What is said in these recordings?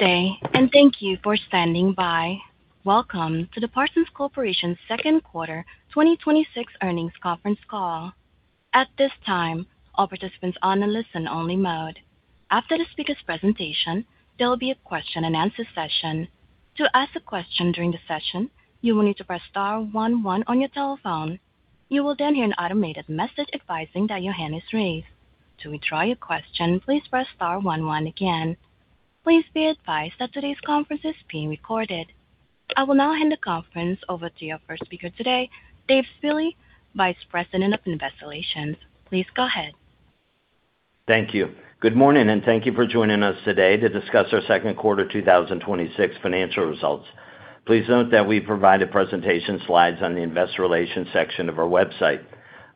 Good day, and thank you for standing by. Welcome to the Parsons Corporation second quarter 2026 earnings conference call. At this time, all participants on a listen only mode. After the speaker's presentation, there will be a question and answer session. To ask a question during the session, you will need to press star one one on your telephone. You will then hear an automated message advising that your hand is raised. To withdraw your question, please press star one one again. Please be advised that today's conference is being recorded. I will now hand the conference over to your first speaker today, Dave Spille, Vice President of Investor Relations. Please go ahead. Thank you. Good morning, and thank you for joining us today to discuss our second quarter 2026 financial results. Please note that we provide presentation slides on the Investor Relations section of our website.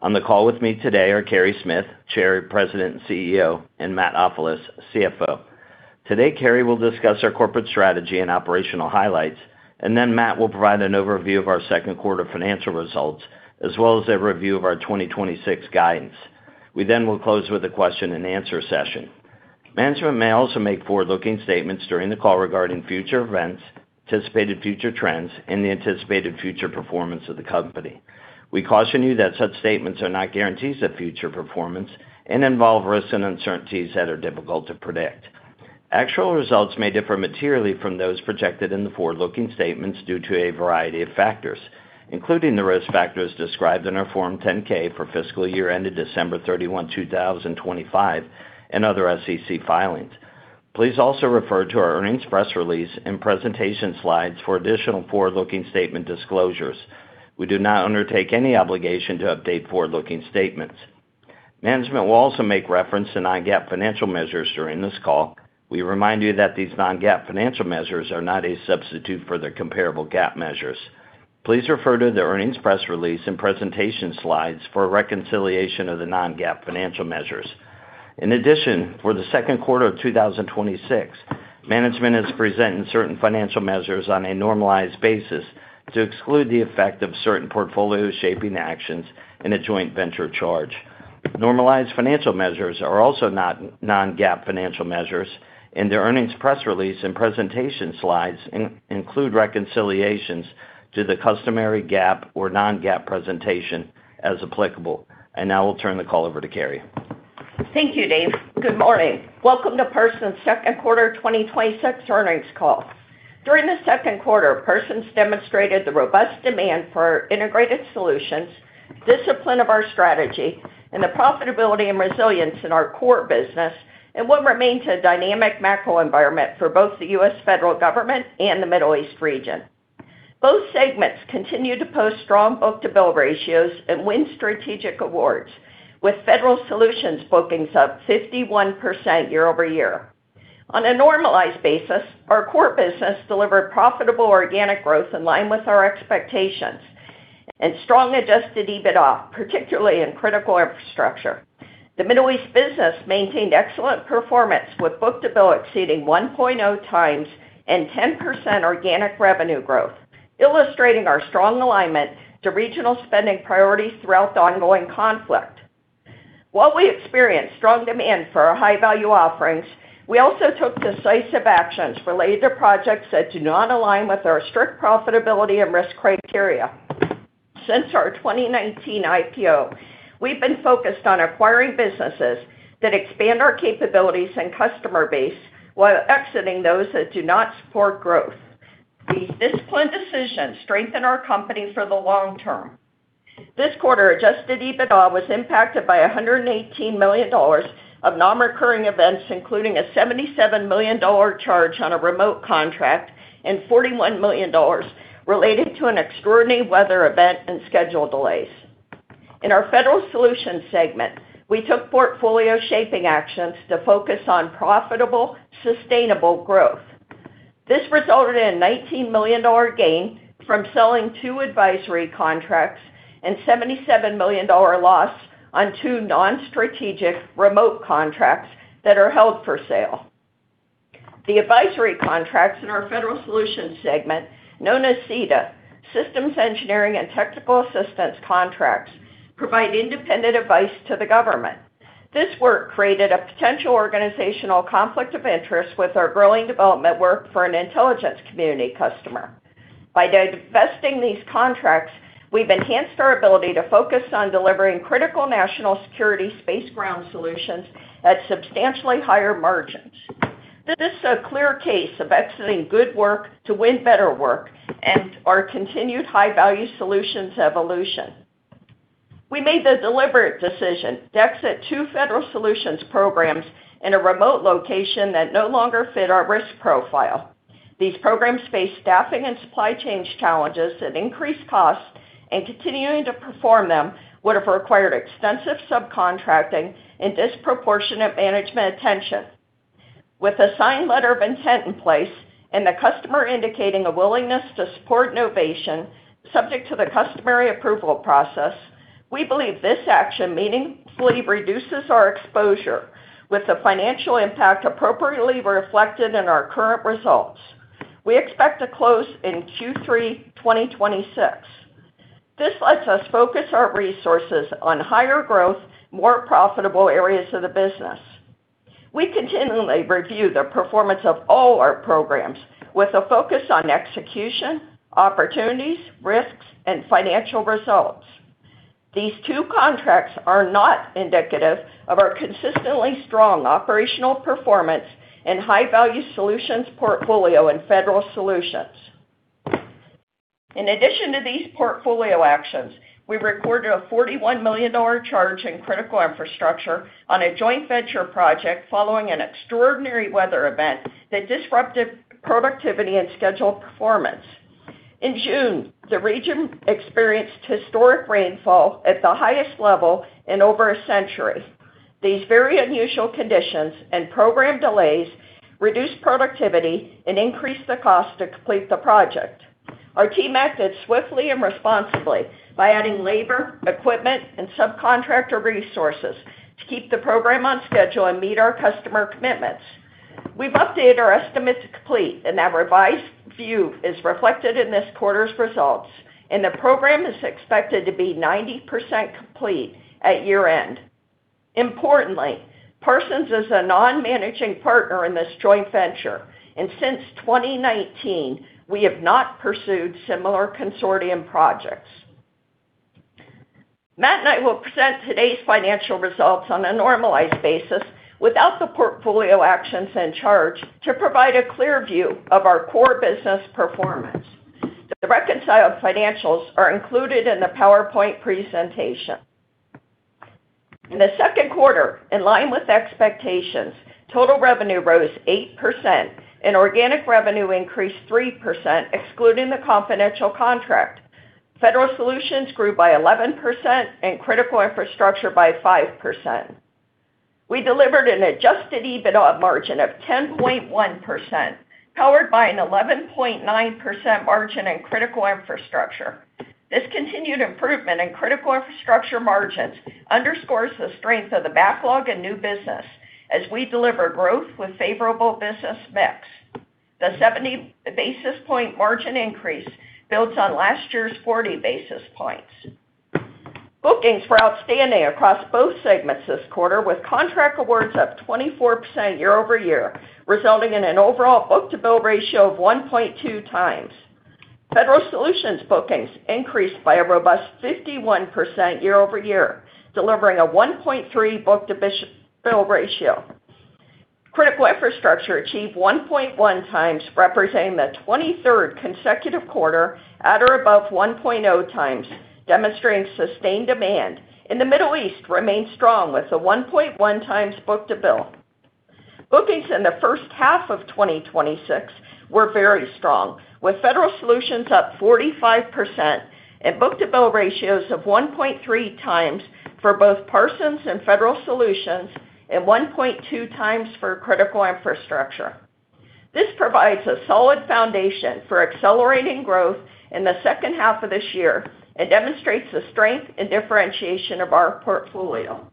On the call with me today are Carey Smith, Chair, President, and CEO, and Matt Ofilos, CFO. Today, Carey will discuss our corporate strategy and operational highlights, and then Matt will provide an overview of our second quarter financial results as well as a review of our 2026 guidance. We then will close with a question and answer session. Management may also make forward-looking statements during the call regarding future events, anticipated future trends, and the anticipated future performance of the company. We caution you that such statements are not guarantees of future performance and involve risks and uncertainties that are difficult to predict. Actual results may differ materially from those projected in the forward-looking statements due to a variety of factors, including the risk factors described in our Form 10-K for fiscal year ended December 31, 2025, and other SEC filings. Please also refer to our earnings press release and presentation slides for additional forward-looking statement disclosures. We do not undertake any obligation to update forward-looking statements. Management will also make reference to non-GAAP financial measures during this call. We remind you that these non-GAAP financial measures are not a substitute for their comparable GAAP measures. Please refer to the earnings press release and presentation slides for a reconciliation of the non-GAAP financial measures. In addition, for the second quarter of 2026, management is presenting certain financial measures on a normalized basis to exclude the effect of certain portfolio shaping actions in a joint venture charge. Normalized financial measures are also non-GAAP financial measures, and their earnings press release and presentation slides include reconciliations to the customary GAAP or non-GAAP presentation as applicable. Now we'll turn the call over to Carey. Thank you, Dave. Good morning. Welcome to Parsons second quarter 2026 earnings call. During the second quarter, Parsons demonstrated the robust demand for our integrated solutions, discipline of our strategy, and the profitability and resilience in our core business in what remains a dynamic macro environment for both the U.S. federal government and the Middle East region. Both segments continue to post strong book-to-bill ratios and win strategic awards, with federal solutions bookings up 51% year-over-year. On a normalized basis, our core business delivered profitable organic growth in line with our expectations and strong adjusted EBITDA, particularly in critical infrastructure. The Middle East business maintained excellent performance, with book-to-bill exceeding 1.0x and 10% organic revenue growth, illustrating our strong alignment to regional spending priorities throughout the ongoing conflict. While we experienced strong demand for our high-value offerings, we also took decisive actions related to projects that do not align with our strict profitability and risk criteria. Since our 2019 IPO, we've been focused on acquiring businesses that expand our capabilities and customer base while exiting those that do not support growth. These disciplined decisions strengthen our company for the long term. This quarter, adjusted EBITDA was impacted by $118 million of non-recurring events, including a $77 million charge on a remote contract and $41 million related to an extraordinary weather event and schedule delays. In our federal solutions segment, we took portfolio shaping actions to focus on profitable, sustainable growth. This resulted in a $19 million gain from selling two advisory contracts and $77 million loss on two non-strategic remote contracts that are held for sale. The advisory contracts in our federal solutions segment, known as SETA, Systems Engineering and Technical Assistance contracts, provide independent advice to the government. This work created a potential organizational conflict of interest with our growing development work for an intelligence community customer. By divesting these contracts, we've enhanced our ability to focus on delivering critical national security space ground solutions at substantially higher margins. This is a clear case of exiting good work to win better work and our continued high-value solutions evolution. We made the deliberate decision to exit two federal solutions programs in a remote location that no longer fit our risk profile. These programs face staffing and supply chains challenges that increase costs, and continuing to perform them would have required extensive subcontracting and disproportionate management attention. With a signed letter of intent in place and the customer indicating a willingness to support novation subject to the customary approval process, we believe this action meaningfully reduces our exposure with the financial impact appropriately reflected in our current results. We expect to close in Q3 2026. This lets us focus our resources on higher growth, more profitable areas of the business. We continually review the performance of all our programs with a focus on execution, opportunities, risks, and financial results. These two contracts are not indicative of our consistently strong operational performance and high-value solutions portfolio in Federal Solutions. In addition to these portfolio actions, we recorded a $41 million charge in Critical Infrastructure on a joint venture project following an extraordinary weather event that disrupted productivity and schedule performance. In June, the region experienced historic rainfall at the highest level in over a century. These very unusual conditions and program delays reduced productivity and increased the cost to complete the project. Our team acted swiftly and responsibly by adding labor, equipment, and subcontractor resources to keep the program on schedule and meet our customer commitments. We've updated our estimate to complete, and that revised view is reflected in this quarter's results, and the program is expected to be 90% complete at year-end. Importantly, Parsons is a non-managing partner in this joint venture, and since 2019, we have not pursued similar consortium projects. Matt and I will present today's financial results on a normalized basis without the portfolio actions and charge to provide a clear view of our core business performance. The reconciled financials are included in the PowerPoint presentation. In the second quarter, in line with expectations, total revenue rose 8% and organic revenue increased 3%, excluding the confidential contract. Federal Solutions grew by 11% and Critical Infrastructure by 5%. We delivered an adjusted EBITDA margin of 10.1%, powered by an 11.9% margin in Critical Infrastructure. This continued improvement in Critical Infrastructure margins underscores the strength of the backlog and new business as we deliver growth with favorable business mix. The 70 basis point margin increase builds on last year's 40 basis points. Bookings were outstanding across both segments this quarter, with contract awards up 24% year-over-year, resulting in an overall book-to-bill ratio of 1.2x. Federal Solutions bookings increased by a robust 51% year-over-year, delivering a 1.3 book-to-bill ratio. Critical Infrastructure achieved 1.1x, representing the 23rd consecutive quarter at or above 1.0x, demonstrating sustained demand, and the Middle East remained strong with a 1.1x book-to-bill. Bookings in the H1 of 2026 were very strong, with Federal Solutions up 45% and book-to-bill ratios of 1.3x for both Parsons and Federal Solutions and 1.2x for Critical Infrastructure. This provides a solid foundation for accelerating growth in the H2 of this year and demonstrates the strength and differentiation of our portfolio.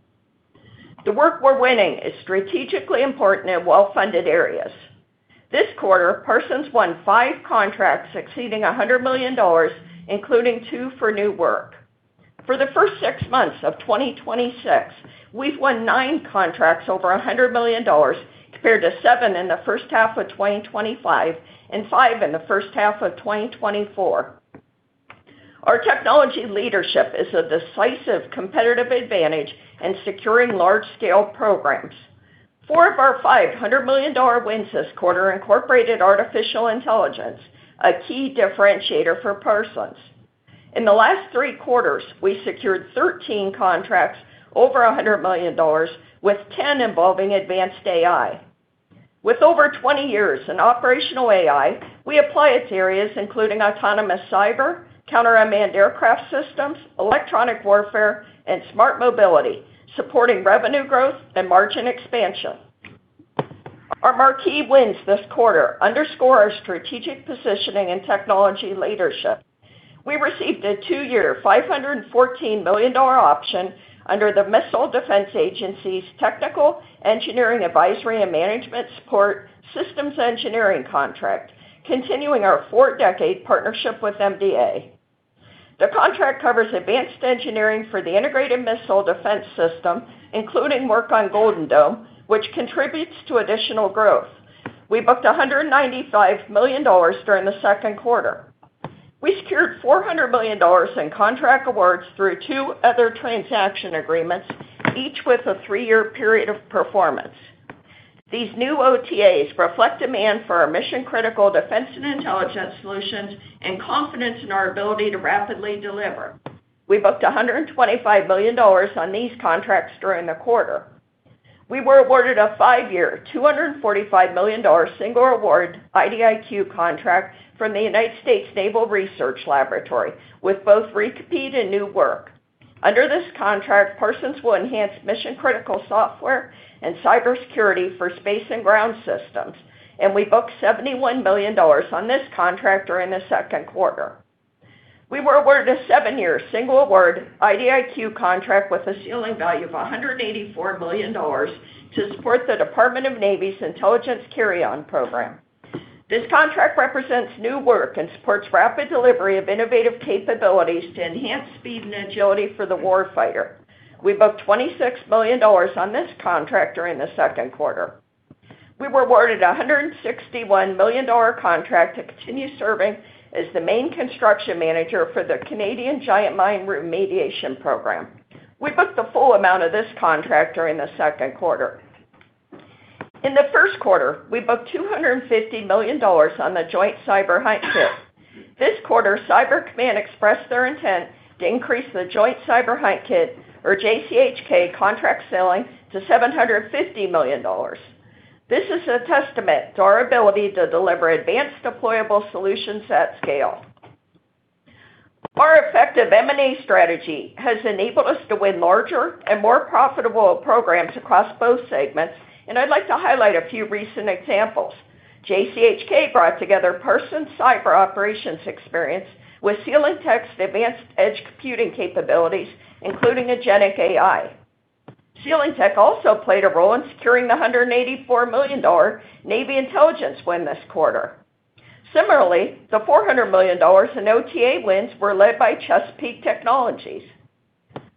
The work we're winning is strategically important in well-funded areas. This quarter, Parsons won five contracts exceeding $100 million, including two for new work. For the first six months of 2026, we've won nine contracts over $100 million, compared to seven in the H1 of 2025 and five in the H1 of 2024. Our technology leadership is a decisive competitive advantage in securing large-scale programs. Four of our five $100 million wins this quarter incorporated artificial intelligence, a key differentiator for Parsons. In the last three quarters, we secured 13 contracts over $100 million, with 10 involving advanced AI. With over 20 years in operational AI, we apply it to areas including autonomous cyber, counter-unmanned aircraft systems, electronic warfare, and smart mobility, supporting revenue growth and margin expansion. Our marquee wins this quarter underscore our strategic positioning and technology leadership. We received a two-year, $514 million option under the Missile Defense Agency's Technical Engineering Advisory and Management Support Systems Engineering contract, continuing our four-decade partnership with MDA. The contract covers advanced engineering for the integrated missile defense system, including work on Golden Dome, which contributes to additional growth. We booked $195 million during the second quarter. We secured $400 million in contract awards through two other transaction agreements, each with a three-year period of performance. These new OTAs reflect demand for our mission-critical defense and intelligence solutions and confidence in our ability to rapidly deliver. We booked $125 million on these contracts during the quarter. We were awarded a five-year, $245 million single award IDIQ contract from the United States Naval Research Laboratory with both repeat and new work. Under this contract, Parsons will enhance mission-critical software and cybersecurity for space and ground systems, and we booked $71 million on this contract during the second quarter. We were awarded a seven-year, single award IDIQ contract with a ceiling value of $184 million to support the Department of the Navy's Intelligence Carry-On Program. This contract represents new work and supports rapid delivery of innovative capabilities to enhance speed and agility for the war fighter. We booked $26 million on this contract during the second quarter. We were awarded a $161 million contract to continue serving as the main construction manager for the Canadian Giant Mine Remediation Program. We booked the full amount of this contract during the second quarter. In the first quarter, we booked $250 million on the Joint Cyber Hunt Kit. This quarter, Cyber Command expressed their intent to increase the Joint Cyber Hunt Kit, or JCHK, contract ceiling to $750 million. This is a testament to our ability to deliver advanced deployable solutions at scale. Our effective M&A strategy has enabled us to win larger and more profitable programs across both segments. I'd like to highlight a few recent examples. JCHK brought together Parsons cyber operations experience with CIEL & Tech's advanced edge computing capabilities, including agentic AI. CIEL & Tech also played a role in securing the $184 million Navy intelligence win this quarter. Similarly, the $400 million in OTA wins were led by Chesapeake Technologies.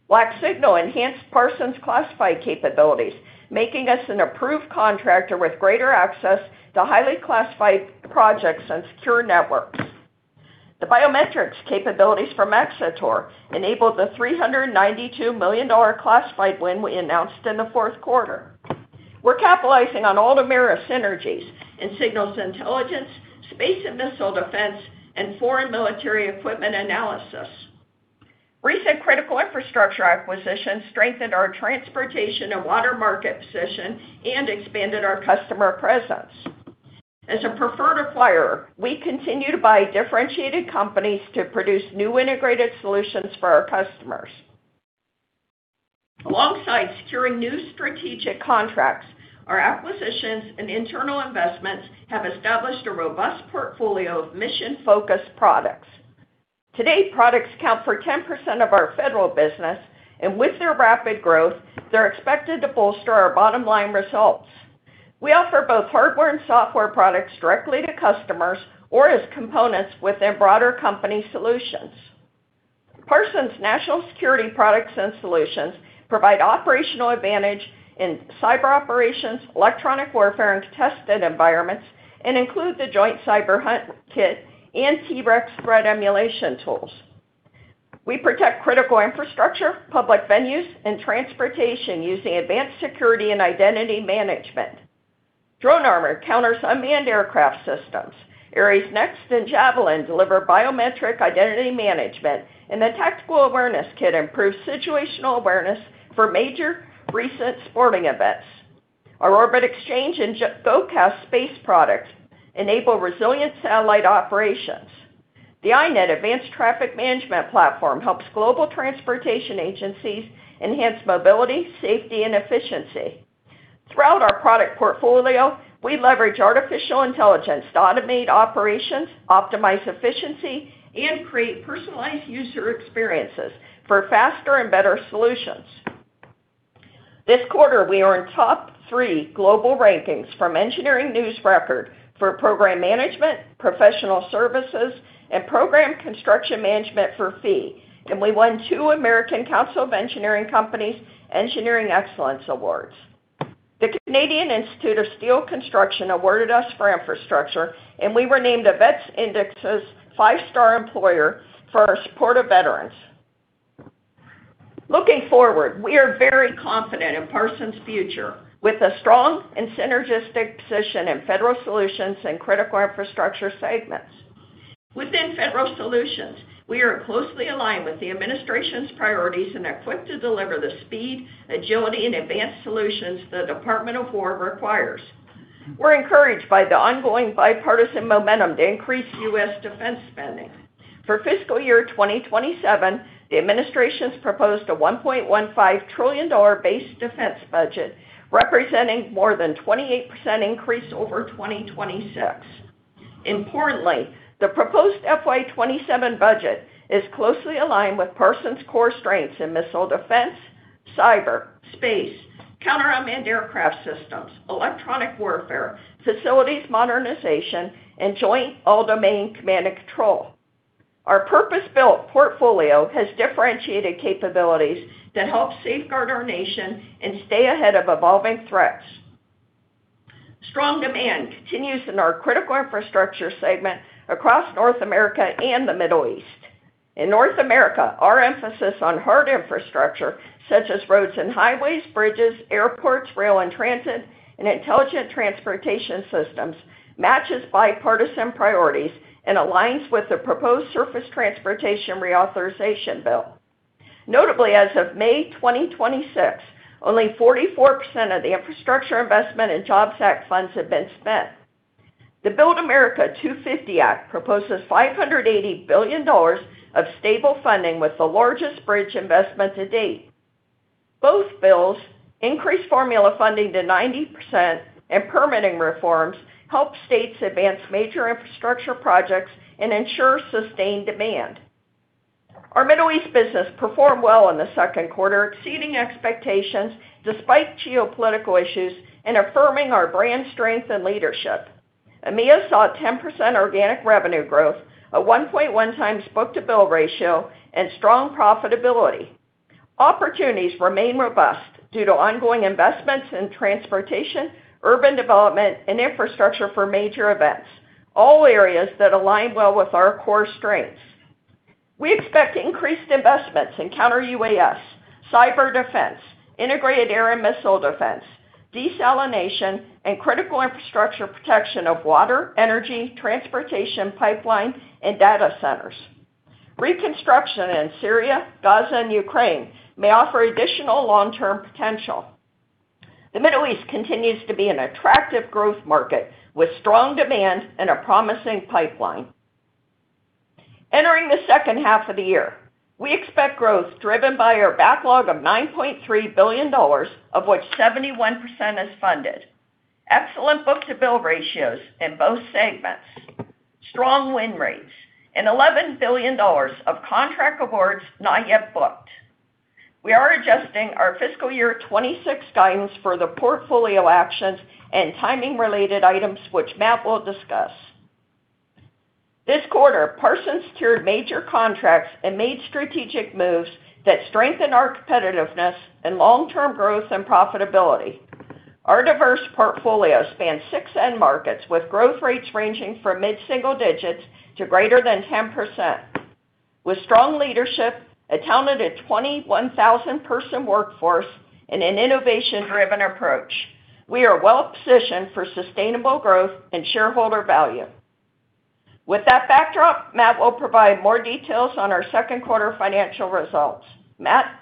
Black Signal enhanced Parsons' classified capabilities, making us an approved contractor with greater access to highly classified projects and secure networks. The biometrics capabilities from Xator enabled the $392 million classified win we announced in the fourth quarter. We're capitalizing on Altamira synergies in signals intelligence, space and Missile Defense, and foreign military equipment analysis. Recent critical infrastructure acquisitions strengthened our transportation and water market position and expanded our customer presence. As a preferred acquirer, we continue to buy differentiated companies to produce new integrated solutions for our customers. Alongside securing new strategic contracts, our acquisitions and internal investments have established a robust portfolio of mission-focused products. Today, products count for 10% of our federal business. With their rapid growth, they're expected to bolster our bottom-line results. We offer both hardware and software products directly to customers or as components with their broader company solutions. Parsons' national security products and solutions provide operational advantage in cyber operations, electronic warfare, and contested environments and include the Joint Cyber Hunt Kit and TReX threat emulation tools. We protect critical infrastructure, public venues, and transportation using advanced security and identity management. DroneArmor counters unmanned aircraft systems. AresNXT and Javelin deliver biometric identity management. The Tactical Awareness Kit improves situational awareness for major recent sporting events. Our OrbitXchange and GoCaas Space products enable resilient satellite operations. The iNET advanced traffic management platform helps global transportation agencies enhance mobility, safety, and efficiency. Throughout our product portfolio, we leverage artificial intelligence to automate operations, optimize efficiency, and create personalized user experiences for faster and better solutions. This quarter, we are in the top three global rankings from Engineering News-Record for program management, professional services, and program construction management for fee, and we won two American Council of Engineering Companies Engineering Excellence Awards. The Canadian Institute of Steel Construction awarded us for infrastructure, and we were named a VETS Indexes 5 Star Employer for our support of veterans. Looking forward, we are very confident in Parsons' future, with a strong and synergistic position in federal solutions and critical infrastructure segments. Within federal solutions, we are closely aligned with the administration's priorities and equipped to deliver the speed, agility, and advanced solutions the Department of War requires. We're encouraged by the ongoing bipartisan momentum to increase U.S. defense spending. For fiscal year 2027, the administration's proposed a $1.15 trillion base defense budget, representing more than a 28% increase over 2026. Importantly, the proposed FY 2027 budget is closely aligned with Parsons' core strengths in missile defense, cyber, space, counter-unmanned aircraft systems, electronic warfare, facilities modernization, and joint all-domain command and control. Our purpose-built portfolio has differentiated capabilities that help safeguard our nation and stay ahead of evolving threats. Strong demand continues in our critical infrastructure segment across North America and the Middle East. In North America, our emphasis on hard infrastructure, such as roads and highways, bridges, airports, rail and transit, and intelligent transportation systems, matches bipartisan priorities and aligns with the proposed Surface Transportation Reauthorization Bill. Notably, as of May 2026, only 44% of the Infrastructure Investment and Jobs Act funds have been spent. The BUILD America 250 Act proposes $580 billion of stable funding, with the largest bridge investment to date. Both bills increase formula funding to 90%, and permitting reforms help states advance major infrastructure projects and ensure sustained demand. Our Middle East business performed well in the second quarter, exceeding expectations despite geopolitical issues and affirming our brand strength and leadership. EMEA saw 10% organic revenue growth, a 1.1x book-to-bill ratio, and strong profitability. Opportunities remain robust due to ongoing investments in transportation, urban development, and infrastructure for major events, all areas that align well with our core strengths. We expect increased investments in counter-UAS, cyber defense, integrated air and missile defense, desalination, and critical infrastructure protection of water, energy, transportation, pipeline, and data centers. Reconstruction in Syria, Gaza, and Ukraine may offer additional long-term potential. The Middle East continues to be an attractive growth market with strong demand and a promising pipeline. Entering the H2 of the year, we expect growth driven by our backlog of $9.3 billion, of which 71% is funded, excellent book-to-bill ratios in both segments, strong win rates, and $11 billion of contract awards not yet booked. We are adjusting our fiscal year 2026 guidance for the portfolio actions and timing-related items, which Matt will discuss. This quarter, Parsons secured major contracts and made strategic moves that strengthen our competitiveness and long-term growth and profitability. Our diverse portfolio spans six end markets, with growth rates ranging from mid-single digits to greater than 10%. With strong leadership, a talented 21,000-person workforce, and an innovation-driven approach, we are well-positioned for sustainable growth and shareholder value. With that backdrop, Matt will provide more details on our second quarter financial results. Matt?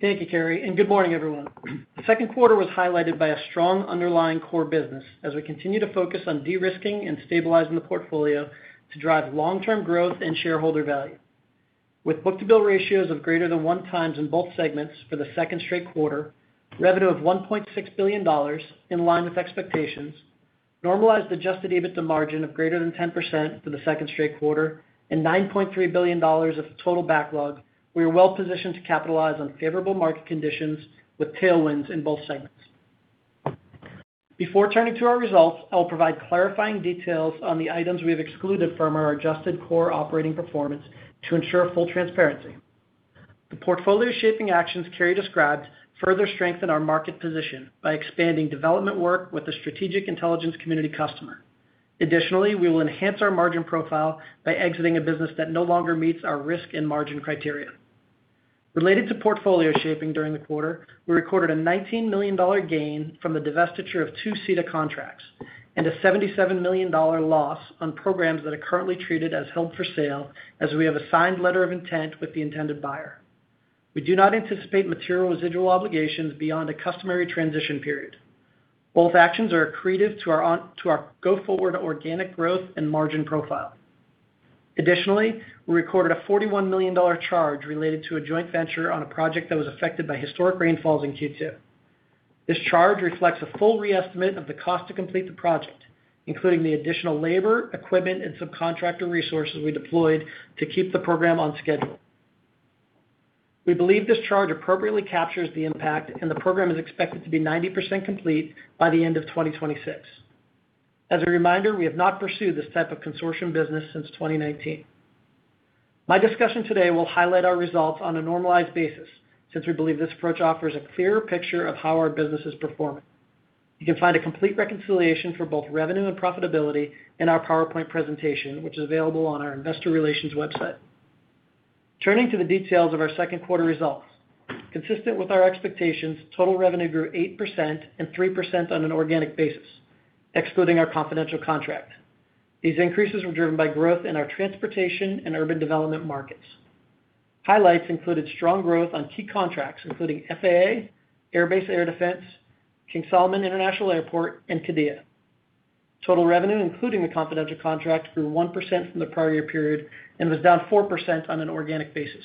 Thank you, Carey, and good morning, everyone. The second quarter was highlighted by a strong underlying core business as we continue to focus on de-risking and stabilizing the portfolio to drive long-term growth and shareholder value. With book-to-bill ratios of greater than one times in both segments for the second straight quarter, revenue of $1.6 billion in line with expectations, normalized adjusted EBITDA margin of greater than 10% for the second straight quarter, and $9.3 billion of total backlog, we are well positioned to capitalize on favorable market conditions with tailwinds in both segments. Before turning to our results, I will provide clarifying details on the items we have excluded from our adjusted core operating performance to ensure full transparency. The portfolio shaping actions Carey described further strengthen our market position by expanding development work with a strategic intelligence community customer. Additionally, we will enhance our margin profile by exiting a business that no longer meets our risk and margin criteria. Related to portfolio shaping during the quarter, we recorded a $19 million gain from the divestiture of two SETA contracts and a $77 million loss on programs that are currently treated as held for sale, as we have a signed letter of intent with the intended buyer. We do not anticipate material residual obligations beyond a customary transition period. Both actions are accretive to our go-forward organic growth and margin profile. Additionally, we recorded a $41 million charge related to a joint venture on a project that was affected by historic rainfalls in Q2. This charge reflects a full re-estimate of the cost to complete the project, including the additional labor, equipment, and subcontractor resources we deployed to keep the program on schedule. We believe this charge appropriately captures the impact, and the program is expected to be 90% complete by the end of 2026. As a reminder, we have not pursued this type of consortium business since 2019. My discussion today will highlight our results on a normalized basis, since we believe this approach offers a clearer picture of how our business is performing. You can find a complete reconciliation for both revenue and profitability in our PowerPoint presentation, which is available on our investor relations website. Turning to the details of our second quarter results. Consistent with our expectations, total revenue grew 8% and 3% on an organic basis, excluding our confidential contract. These increases were driven by growth in our transportation and urban development markets. Highlights included strong growth on key contracts including FAA, Airbase Air Defense, King Salman International Airport, and Qiddiya. Total revenue, including the confidential contract, grew 1% from the prior year period and was down 4% on an organic basis.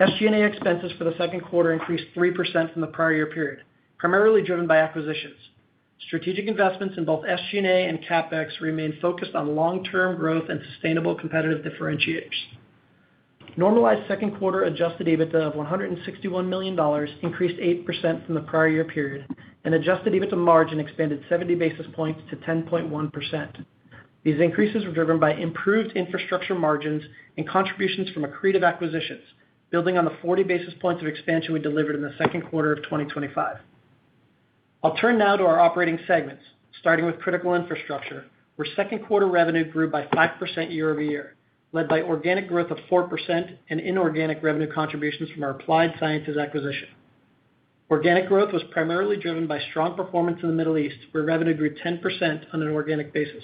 SG&A expenses for the second quarter increased 3% from the prior year period, primarily driven by acquisitions. Strategic investments in both SG&A and CapEx remain focused on long-term growth and sustainable competitive differentiators. Normalized second quarter adjusted EBITDA of $161 million increased 8% from the prior year period, and adjusted EBITDA margin expanded 70 basis points to 10.1%. These increases were driven by improved infrastructure margins and contributions from accretive acquisitions, building on the 40 basis points of expansion we delivered in the second quarter of 2025. I'll turn now to our operating segments, starting with Critical Infrastructure, where second quarter revenue grew by 5% year-over-year, led by organic growth of 4% and inorganic revenue contributions from our Applied Sciences acquisition. Organic growth was primarily driven by strong performance in the Middle East, where revenue grew 10% on an organic basis.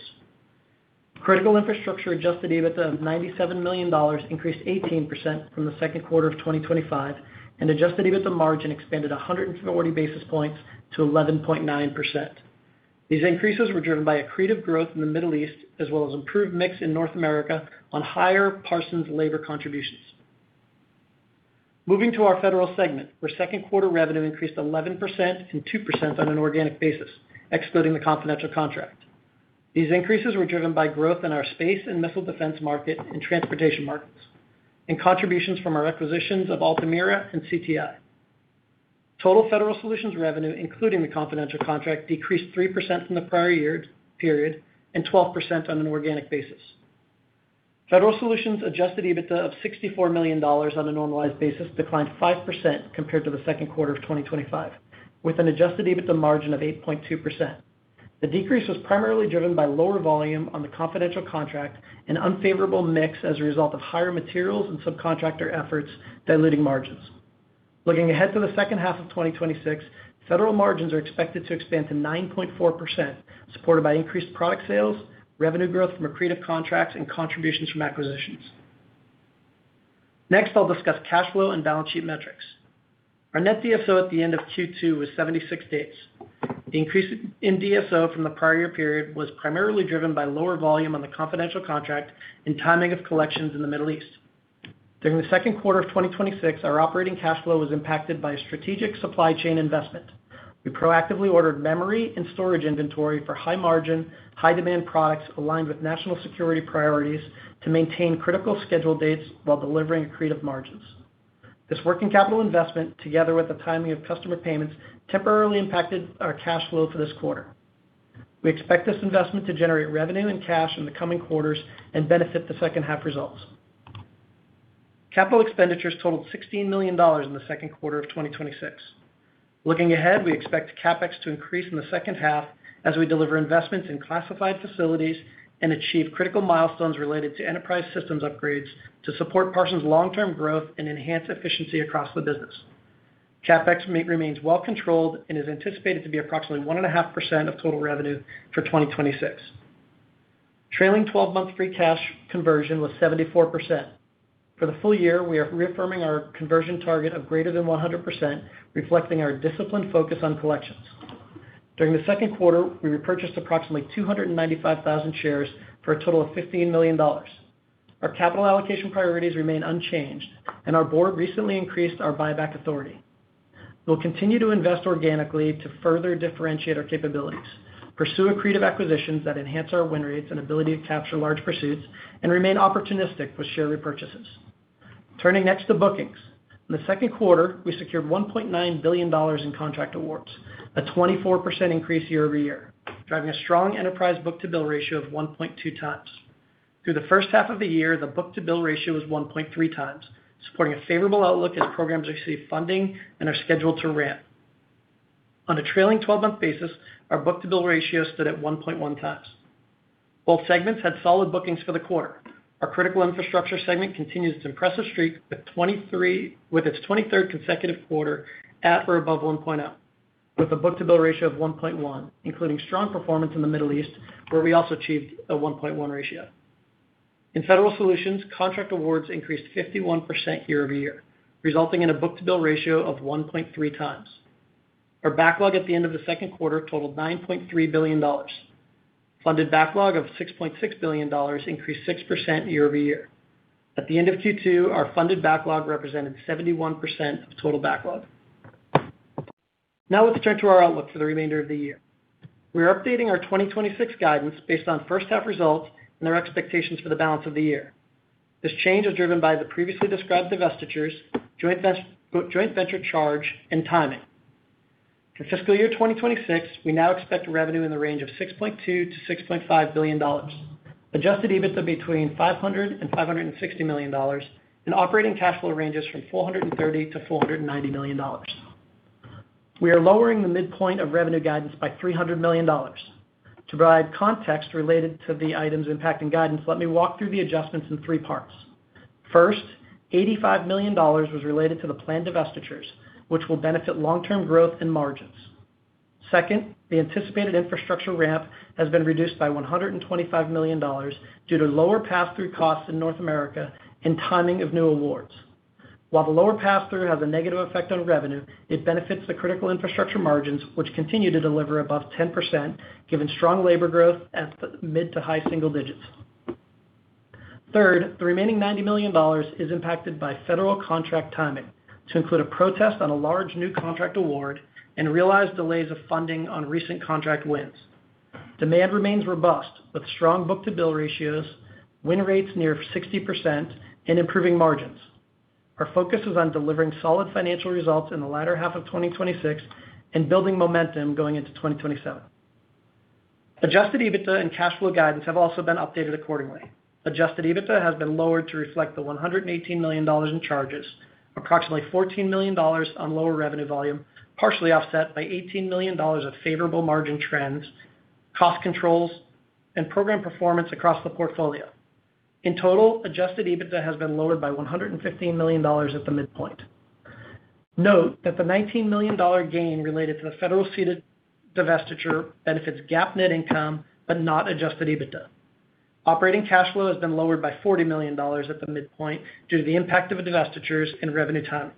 Critical Infrastructure adjusted EBITDA of $97 million increased 18% from the second quarter of 2025, and adjusted EBITDA margin expanded 140 basis points to 11.9%. These increases were driven by accretive growth in the Middle East as well as improved mix in North America on higher Parsons labor contributions. Moving to our federal segment, where second quarter revenue increased 11% and 2% on an organic basis, excluding the confidential contract. These increases were driven by growth in our space and Missile Defense market and transportation markets, and contributions from our acquisitions of Altamira and CTI. Total federal solutions revenue, including the confidential contract, decreased 3% from the prior year period and 12% on an organic basis. Federal Solutions adjusted EBITDA of $64 million on a normalized basis declined 5% compared to the second quarter of 2025, with an adjusted EBITDA margin of 8.2%. The decrease was primarily driven by lower volume on the confidential contract and unfavorable mix as a result of higher materials and subcontractor efforts diluting margins. Looking ahead to the H2 of 2026, federal margins are expected to expand to 9.4%, supported by increased product sales, revenue growth from accretive contracts, and contributions from acquisitions. Next, I'll discuss cash flow and balance sheet metrics. Our net DSO at the end of Q2 was 76 days. The increase in DSO from the prior year period was primarily driven by lower volume on the confidential contract and timing of collections in the Middle East. During the second quarter of 2026, our operating cash flow was impacted by a strategic supply chain investment. We proactively ordered memory and storage inventory for high-margin, high-demand products aligned with national security priorities to maintain critical schedule dates while delivering accretive margins. This working capital investment, together with the timing of customer payments, temporarily impacted our cash flow for this quarter. We expect this investment to generate revenue and cash in the coming quarters and benefit the H2 results. Capital expenditures totaled $16 million in the second quarter of 2026. Looking ahead, we expect CapEx to increase in the H2 as we deliver investments in classified facilities and achieve critical milestones related to enterprise systems upgrades to support Parsons' long-term growth and enhance efficiency across the business. CapEx remains well controlled and is anticipated to be approximately 1.5% of total revenue for 2026. Trailing 12-month free cash conversion was 74%. For the full year, we are reaffirming our conversion target of greater than 100%, reflecting our disciplined focus on collections. During the second quarter, we repurchased approximately 295,000 shares for a total of $15 million. Our capital allocation priorities remain unchanged, and our board recently increased our buyback authority. We'll continue to invest organically to further differentiate our capabilities, pursue accretive acquisitions that enhance our win rates and ability to capture large pursuits, and remain opportunistic with share repurchases. Turning next to bookings. In the second quarter, we secured $1.9 billion in contract awards, a 24% increase year-over-year, driving a strong enterprise book-to-bill ratio of 1.2x. Through the H1 of the year, the book-to-bill ratio was 1.3x, supporting a favorable outlook as programs receive funding and are scheduled to ramp. On a trailing 12-month basis, our book-to-bill ratio stood at 1.1x. Both segments had solid bookings for the quarter. Our critical infrastructure segment continues its impressive streak with its 23rd consecutive quarter at or above 1.0, with a book-to-bill ratio of 1.1, including strong performance in the Middle East, where we also achieved a 1.1 ratio. In Federal Solutions, contract awards increased 51% year-over-year, resulting in a book-to-bill ratio of 1.3x. Our backlog at the end of the second quarter totaled $9.3 billion. Funded backlog of $6.6 billion increased 6% year-over-year. At the end of Q2, our funded backlog represented 71% of total backlog. Let's turn to our outlook for the remainder of the year. We are updating our 2026 guidance based on H1 results and our expectations for the balance of the year. This change is driven by the previously described divestitures, joint venture charge, and timing. For FY 2026, we now expect revenue in the range of $6.2 billion-$6.5 billion, adjusted EBITDA between $500 million and $560 million, and operating cash flow ranges from $430 million-$490 million. We are lowering the midpoint of revenue guidance by $300 million. To provide context related to the items impacting guidance, let me walk through the adjustments in three parts. First, $85 million was related to the planned divestitures, which will benefit long-term growth and margins. Second, the anticipated infrastructure ramp has been reduced by $125 million due to lower pass-through costs in North America and timing of new awards. While the lower pass-through has a negative effect on revenue, it benefits the critical infrastructure margins, which continue to deliver above 10%, given strong labor growth at mid to high single digits. Third, the remaining $90 million is impacted by federal contract timing to include a protest on a large new contract award and realized delays of funding on recent contract wins. Demand remains robust with strong book-to-bill ratios, win rates near 60%, and improving margins. Our focus is on delivering solid financial results in the latter half of 2026 and building momentum going into 2027. Adjusted EBITDA and cash flow guidance have also been updated accordingly. Adjusted EBITDA has been lowered to reflect the $118 million in charges, approximately $14 million on lower revenue volume, partially offset by $18 million of favorable margin trends, cost controls, and program performance across the portfolio. In total, adjusted EBITDA has been lowered by $115 million at the midpoint. Note that the $19 million gain related to the federal SETA divestiture benefits GAAP net income but not adjusted EBITDA. Operating cash flow has been lowered by $40 million at the midpoint due to the impact of divestitures and revenue timing.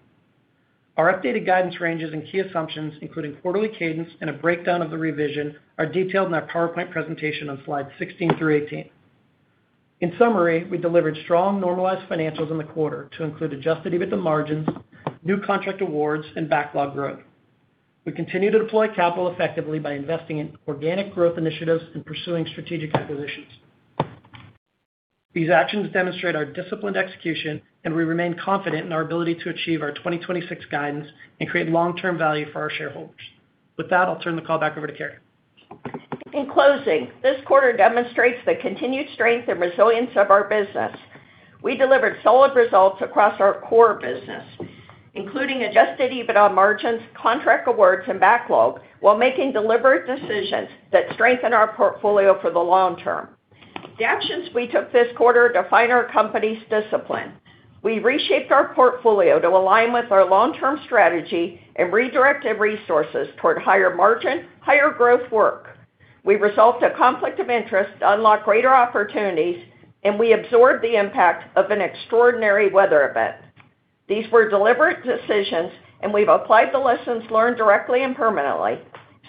Our updated guidance ranges and key assumptions, including quarterly cadence and a breakdown of the revision, are detailed in our PowerPoint presentation on slides 16 through 18. In summary, we delivered strong normalized financials in the quarter to include adjusted EBITDA margins, new contract awards, and backlog growth. We continue to deploy capital effectively by investing in organic growth initiatives and pursuing strategic acquisitions. These actions demonstrate our disciplined execution, and we remain confident in our ability to achieve our 2026 guidance and create long-term value for our shareholders. With that, I'll turn the call back over to Carey. In closing, this quarter demonstrates the continued strength and resilience of our business. We delivered solid results across our core business, including adjusted EBITDA margins, contract awards, and backlog, while making deliberate decisions that strengthen our portfolio for the long term. The actions we took this quarter define our company's discipline. We reshaped our portfolio to align with our long-term strategy and redirected resources toward higher margin, higher growth work. We resolved a conflict of interest to unlock greater opportunities. We absorbed the impact of an extraordinary weather event. These were deliberate decisions, and we've applied the lessons learned directly and permanently.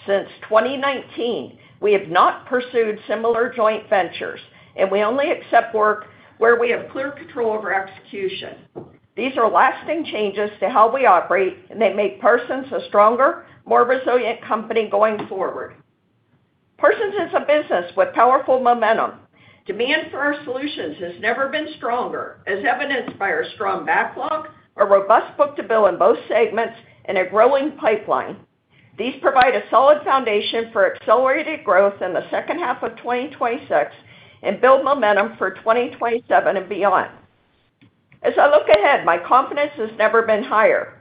Since 2019, we have not pursued similar joint ventures. We only accept work where we have clear control over execution. These are lasting changes to how we operate. They make Parsons a stronger, more resilient company going forward. Parsons is a business with powerful momentum. Demand for our solutions has never been stronger, as evidenced by our strong backlog, a robust book-to-bill in both segments, and a growing pipeline. These provide a solid foundation for accelerated growth in the H2 of 2026 and build momentum for 2027 and beyond. As I look ahead, my confidence has never been higher.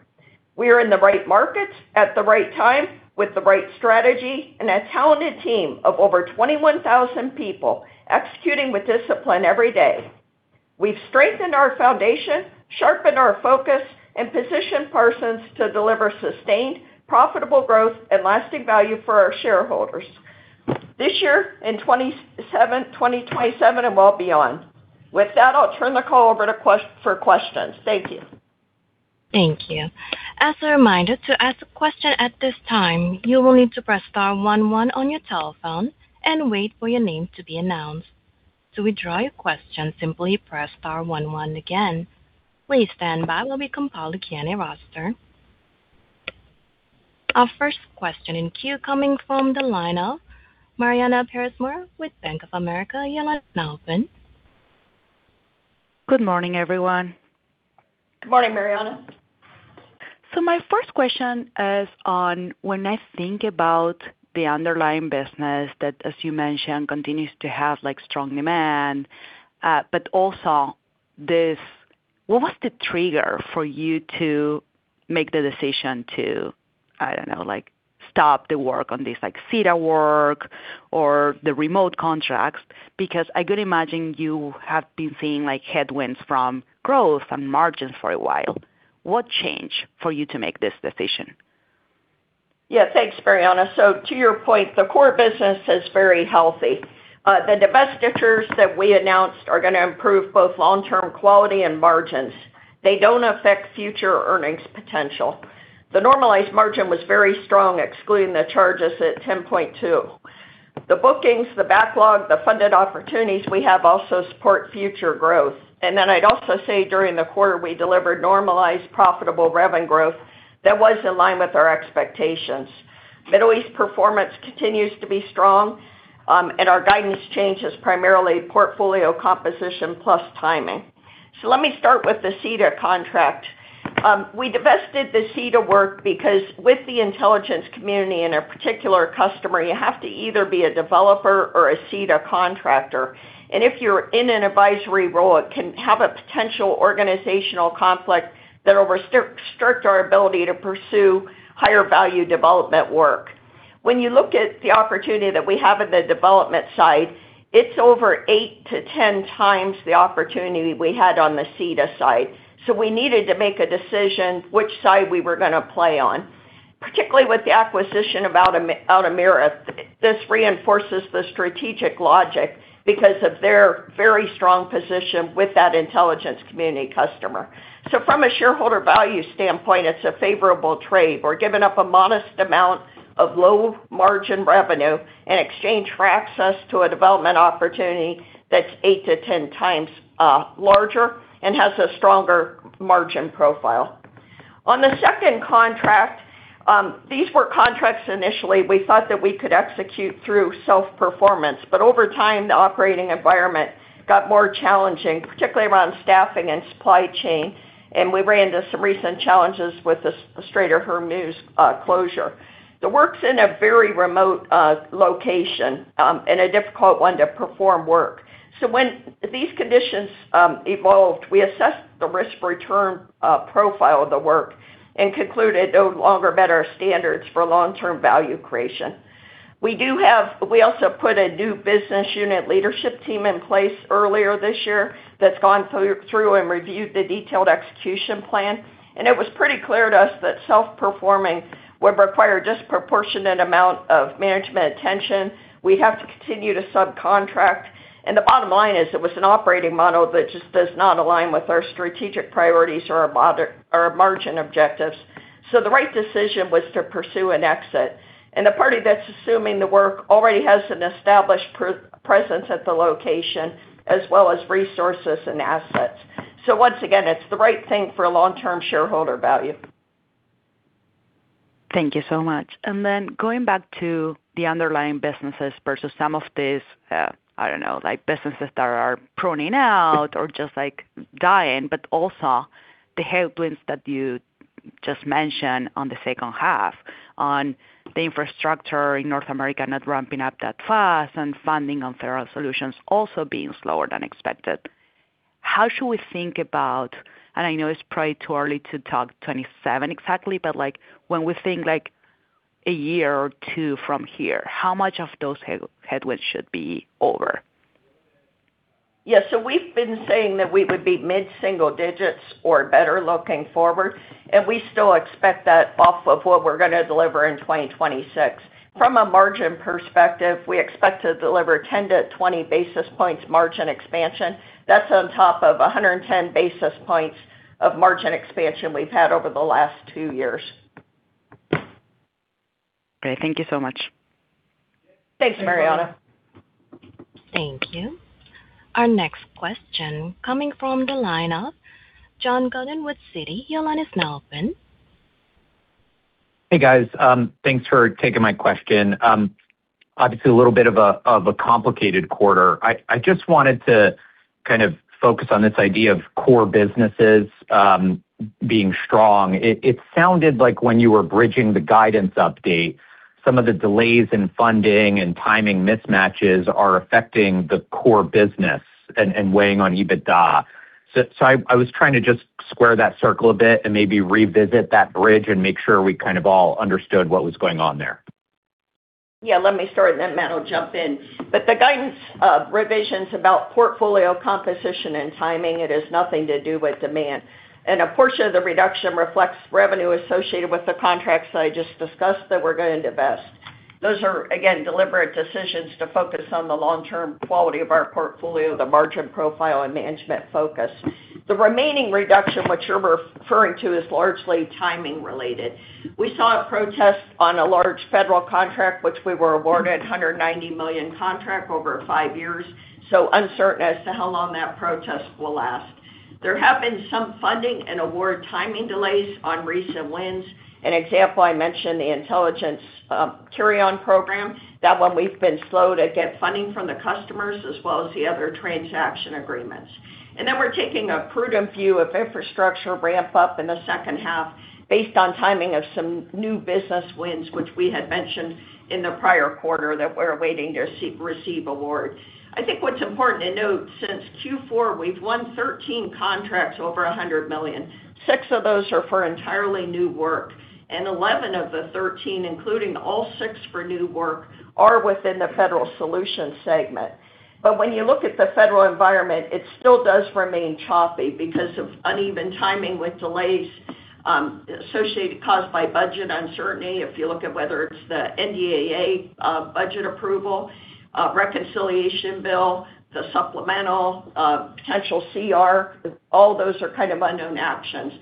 We are in the right markets at the right time with the right strategy and a talented team of over 21,000 people executing with discipline every day. We've strengthened our foundation, sharpened our focus. Positioned Parsons to deliver sustained, profitable growth and lasting value for our shareholders this year, in 2027, and well beyond. With that, I'll turn the call over for questions. Thank you. Thank you. As a reminder, to ask a question at this time, you will need to press star one one on your telephone and wait for your name to be announced. To withdraw your question, simply press star one one again. Please stand by while we compile a Q&A roster. Our first question in queue coming from the line of Mariana Pérez Mora with Bank of America. Your line's now open. Good morning, everyone. Good morning, Mariana. My first question is on when I think about the underlying business that, as you mentioned, continues to have strong demand, but also what was the trigger for you to make the decision to, I don't know, stop the work on this SETA work or the remote contracts? Because I could imagine you have been seeing headwinds from growth and margins for a while. What changed for you to make this decision? Yeah. Thanks, Mariana. To your point, the core business is very healthy. The divestitures that we announced are going to improve both long-term quality and margins. They don't affect future earnings potential. The normalized margin was very strong, excluding the charges at 10.2%. I'd also say during the quarter, we delivered normalized profitable revenue growth that was in line with our expectations. Middle East performance continues to be strong, our guidance change is primarily portfolio composition plus timing. Let me start with the SETA contract. We divested the SETA work because with the intelligence community and a particular customer, you have to either be a developer or a SETA contractor. If you're in an advisory role, it can have a potential organizational conflict that will restrict our ability to pursue higher value development work. When you look at the opportunity that we have in the development side, it's over 8-10x the opportunity we had on the SETA side. We needed to make a decision which side we were going to play on. Particularly with the acquisition of Altamira, this reinforces the strategic logic because of their very strong position with that intelligence community customer. From a shareholder value standpoint, it's a favorable trade. We're giving up a modest amount of low margin revenue in exchange for access to a development opportunity that's 8-10x larger and has a stronger margin profile. On the second contract, these were contracts initially we thought that we could execute through self-performance, but over time, the operating environment got more challenging, particularly around staffing and supply chain, and we ran into some recent challenges with the Strait of Hormuz closure. The work's in a very remote location, and a difficult one to perform work. When these conditions evolved, we assessed the risk-return profile of the work and concluded it no longer met our standards for long-term value creation. We also put a new business unit leadership team in place earlier this year that's gone through and reviewed the detailed execution plan, and it was pretty clear to us that self-performing would require a disproportionate amount of management attention. We'd have to continue to subcontract, and the bottom line is it was an operating model that just does not align with our strategic priorities or our margin objectives. The right decision was to pursue an exit. The party that's assuming the work already has an established presence at the location as well as resources and assets. Once again, it's the right thing for long-term shareholder value. Thank you so much. Going back to the underlying businesses versus some of these businesses that are pruning out or just dying, but also the headwinds that you just mentioned on the H2 on the infrastructure in North America not ramping up that fast and funding on federal solutions also being slower than expected. How should we think about, and I know it's probably too early to talk 2027 exactly, but when we think a year or two from here, how much of those headwinds should be over? We've been saying that we would be mid-single digits or better looking forward, and we still expect that off of what we're going to deliver in 2026. From a margin perspective, we expect to deliver 10 to 20 basis points margin expansion. That's on top of 110 basis points of margin expansion we've had over the last two years. Okay. Thank you so much. Thanks, Mariana. Thank you. Our next question coming from the line of John Gannon with Citi. Your line is now open. Hey, guys. Thanks for taking my question. Obviously, a little bit of a complicated quarter. I just wanted to kind of focus on this idea of core businesses being strong. It sounded like when you were bridging the guidance update, some of the delays in funding and timing mismatches are affecting the core business and weighing on EBITDA. I was trying to just square that circle a bit and maybe revisit that bridge and make sure we kind of all understood what was going on there. Let me start and then Matt will jump in. The guidance revisions about portfolio composition and timing, it is nothing to do with demand. A portion of the reduction reflects revenue associated with the contracts that I just discussed that we're going to divest. Those are, again, deliberate decisions to focus on the long-term quality of our portfolio, the margin profile, and management focus. The remaining reduction, which you're referring to, is largely timing related. We saw a protest on a large federal contract, which we were awarded, $190 million contract over five years, so uncertain as to how long that protest will last. There have been some funding and award timing delays on recent wins. An example, I mentioned the Intelligence Carry-On Program. That one, we've been slow to get funding from the customers as well as the Other Transaction Agreements. We're taking a prudent view of infrastructure ramp-up in the second half based on timing of some new business wins, which we had mentioned in the prior quarter that we're awaiting to receive award. I think what's important to note, since Q4, we've won 13 contracts over $100 million. Six of those are for entirely new work, and 11 of the 13, including all six for new work, are within the Federal Solutions segment. When you look at the federal environment, it still does remain choppy because of uneven timing with delays caused by budget uncertainty. If you look at whether it's the NDAA budget approval, reconciliation bill, the supplemental, potential CR, all those are kind of unknown actions.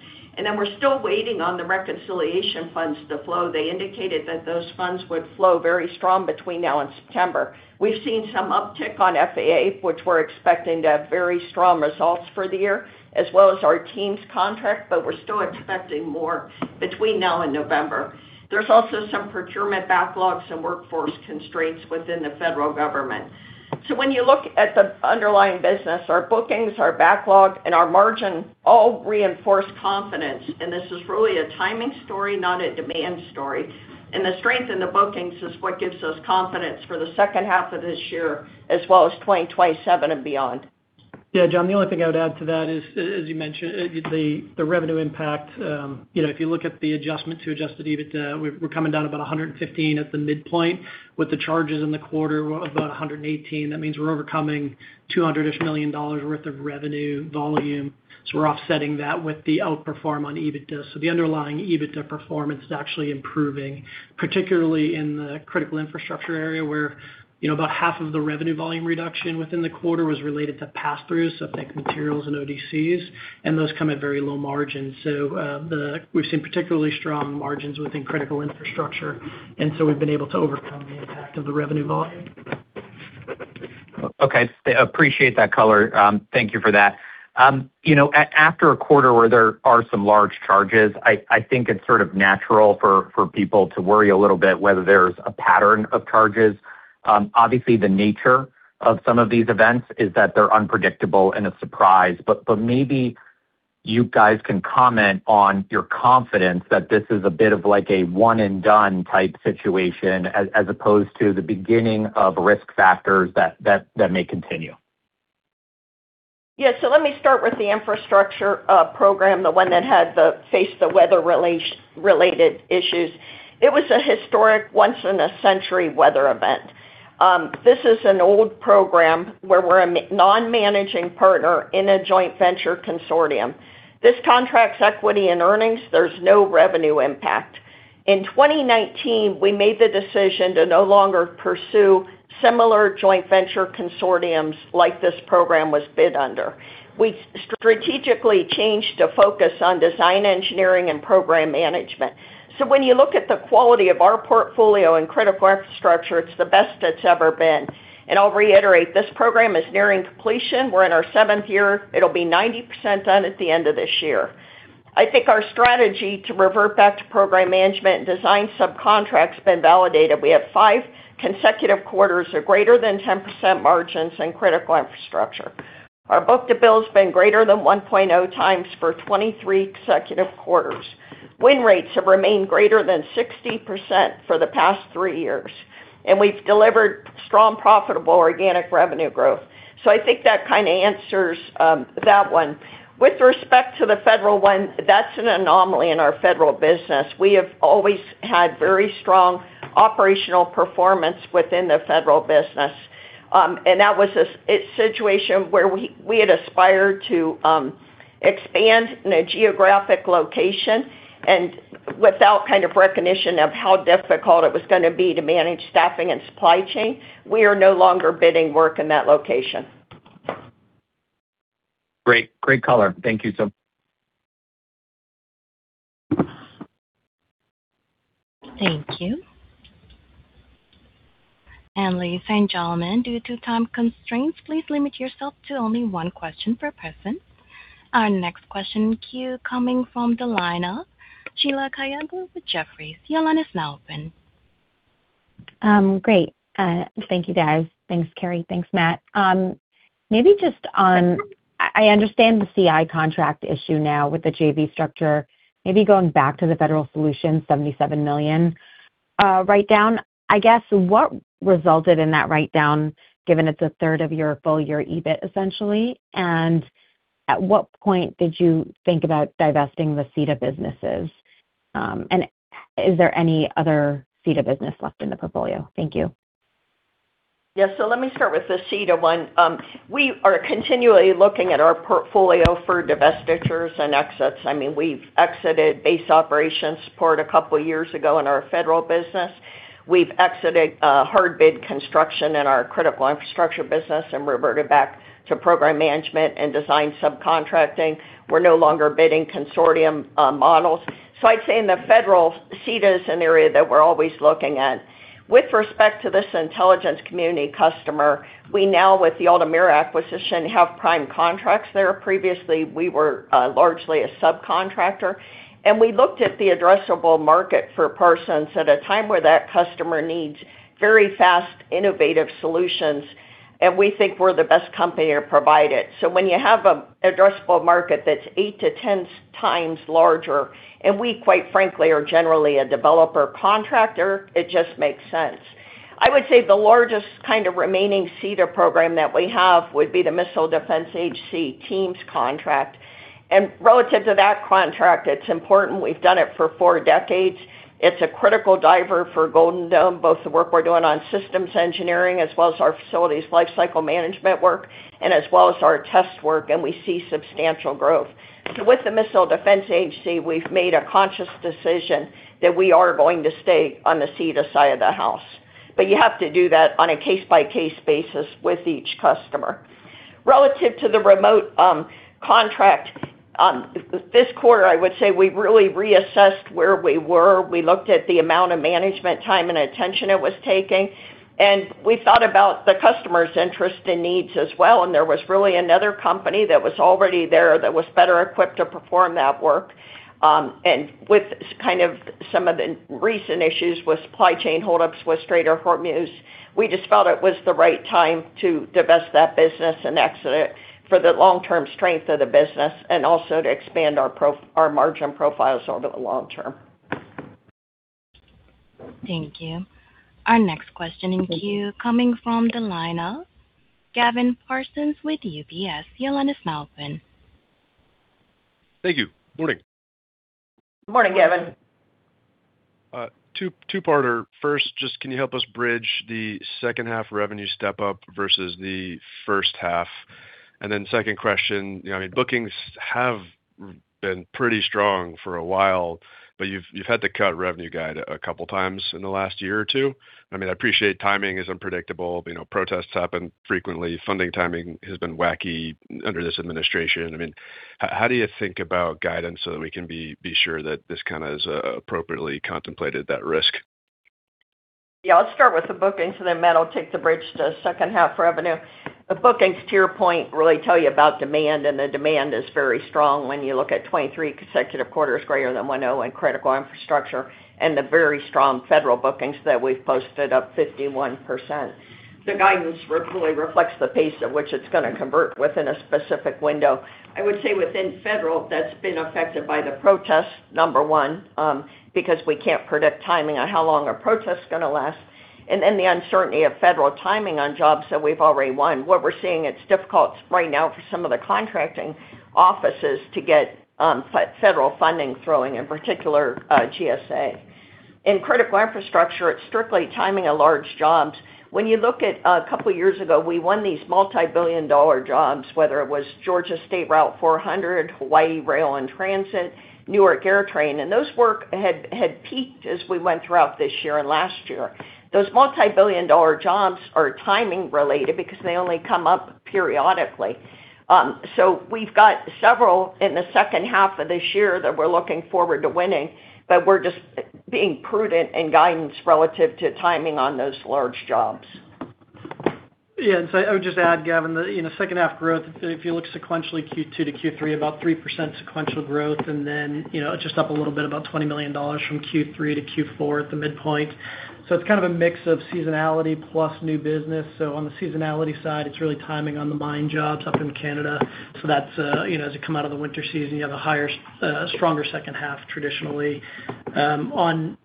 We're still waiting on the reconciliation funds to flow. They indicated that those funds would flow very strong between now and September. We've seen some uptick on FAA, which we're expecting to have very strong results for the year, as well as our team's contract, but we're still expecting more between now and November. There's also some procurement backlogs and workforce constraints within the federal government. When you look at the underlying business, our bookings, our backlog, and our margin all reinforce confidence, and this is really a timing story, not a demand story. The strength in the bookings is what gives us confidence for the H2 of this year as well as 2027 and beyond. John, the only thing I would add to that is, as you mentioned, the revenue impact. If you look at the adjustment to adjusted EBITDA, we're coming down about $115 at the midpoint with the charges in the quarter of about $118. That means we're overcoming $200-ish million worth of revenue volume. We're offsetting that with the outperform on EBITDA. The underlying EBITDA performance is actually improving, particularly in the critical infrastructure area where about half of the revenue volume reduction within the quarter was related to passthroughs of materials and ODCs, and those come at very low margins. We've seen particularly strong margins within critical infrastructure, and so we've been able to overcome the impact of the revenue volume. Okay. Appreciate that color. Thank you for that. After a quarter where there are some large charges, I think it is sort of natural for people to worry a little bit whether there is a pattern of charges. Obviously, the nature of some of these events is that they are unpredictable and a surprise, but maybe you guys can comment on your confidence that this is a bit of a one-and-done type situation as opposed to the beginning of risk factors that may continue. Yeah. Let me start with the infrastructure program, the one that had to face the weather-related issues. It was a historic once-in-a-century weather event. This is an old program where we are a non-managing partner in a joint venture consortium. This contract's equity and earnings, there is no revenue impact. In 2019, we made the decision to no longer pursue similar joint venture consortiums like this program was bid under. We strategically changed to focus on design engineering and program management. When you look at the quality of our portfolio in critical infrastructure, it is the best it has ever been. I will reiterate, this program is nearing completion. We are in our seventh year. It will be 90% done at the end of this year. I think our strategy to revert back to program management and design subcontract has been validated. We have five consecutive quarters of greater than 10% margins in critical infrastructure. Our book-to-bill has been greater than 1.0x for 23 consecutive quarters. Win rates have remained greater than 60% for the past three years, we have delivered strong, profitable organic revenue growth. I think that kind of answers that one. With respect to the federal one, that is an anomaly in our federal business. We have always had very strong operational performance within the federal business. That was a situation where we had aspired to expand in a geographic location and without kind of recognition of how difficult it was going to be to manage staffing and supply chain. We are no longer bidding work in that location. Great. Great color. Thank you so- Thank you. Ladies and gentlemen, due to time constraints, please limit yourself to only one question per person. Our next question in queue coming from the line of Sheila Kahyaoglu with Jefferies. Your line is now open. Great. Thank you, guys. Thanks, Carey. Thanks, Matt. I understand the CI contract issue now with the JV structure. Going back to the federal solution, $77 million write-down. I guess, what resulted in that write-down, given it's a third of your full-year EBIT, essentially, and at what point did you think about divesting the SETA businesses? Is there any other SETA business left in the portfolio? Thank you. Yes. Let me start with the SETA one. We are continually looking at our portfolio for divestitures and exits. We've exited base operation support a couple of years ago in our federal business. We've exited hard bid construction in our critical infrastructure business and reverted back to program management and design subcontracting. We're no longer bidding consortium models. I'd say in the federal, SETA is an area that we're always looking at. With respect to this intelligence community customer, we now, with the Altamira acquisition, have prime contracts there. Previously, we were largely a subcontractor, we looked at the addressable market for Parsons at a time where that customer needs very fast, innovative solutions, we think we're the best company to provide it. When you have an addressable market that's 8-10x larger, we, quite frankly, are generally a developer contractor, it just makes sense. I would say the largest kind of remaining SETA program that we have would be the Missile Defense Agency Teams contract. Relative to that contract, it's important, we've done it for four decades. It's a critical driver for Golden Dome, both the work we're doing on systems engineering as well as our facilities lifecycle management work, as well as our test work, we see substantial growth. With the Missile Defense Agency, we've made a conscious decision that we are going to stay on the SETA side of the house. You have to do that on a case-by-case basis with each customer. Relative to the remote contract, this quarter, I would say we really reassessed where we were. We looked at the amount of management time and attention it was taking, we thought about the customer's interest and needs as well, there was really another company that was already there that was better equipped to perform that work. With kind of some of the recent issues with supply chain hold-ups with Strait of Hormuz, we just felt it was the right time to divest that business and exit it for the long-term strength of the business and also to expand our margin profiles over the long term. Thank you. Our next question in queue coming from the line of Gavin Parsons with UBS. Your line is now open. Thank you. Morning. Morning, Gavin. Two-parter. First, just can you help us bridge the H2 revenue step-up versus the H1? Second question, bookings have been pretty strong for a while, but you've had to cut revenue guide a couple of times in the last year or two. I appreciate timing is unpredictable. Protests happen frequently. Funding timing has been wacky under this administration. How do you think about guidance so that we can be sure that this kind of is appropriately contemplated, that risk? Yeah, I'll start with the bookings, and then Matt will take the bridge to H2 revenue. The bookings, to your point, really tell you about demand, and the demand is very strong when you look at 23 consecutive quarters greater than 1.0 in critical infrastructure and the very strong federal bookings that we've posted up 51%. The guidance really reflects the pace at which it's going to convert within a specific window. I would say within federal, that's been affected by the protests, number one, because we can't predict timing on how long a protest is going to last, and then the uncertainty of federal timing on jobs that we've already won. What we're seeing, it's difficult right now for some of the contracting offices to get federal funding flowing, in particular, GSA. In critical infrastructure, it's strictly timing of large jobs. When you look at a couple of years ago, we won these multi-billion-dollar jobs, whether it was Georgia State Route 400, Hawaii Rail and Transit, Newark Air Train, and those work had peaked as we went throughout this year and last year. Those multi-billion-dollar jobs are timing related because they only come up periodically. We've got several in the H2 of this year that we're looking forward to winning, but we're being prudent in guidance relative to timing on those large jobs. Yeah. I would just add, Gavin, the H2 growth, if you look sequentially, Q2 to Q3, about 3% sequential growth, then it's just up a little bit, about $20 million from Q3 to Q4 at the midpoint. It's kind of a mix of seasonality plus new business. On the seasonality side, it's really timing on the mine jobs up in Canada. As you come out of the winter season, you have a higher, stronger second half traditionally. On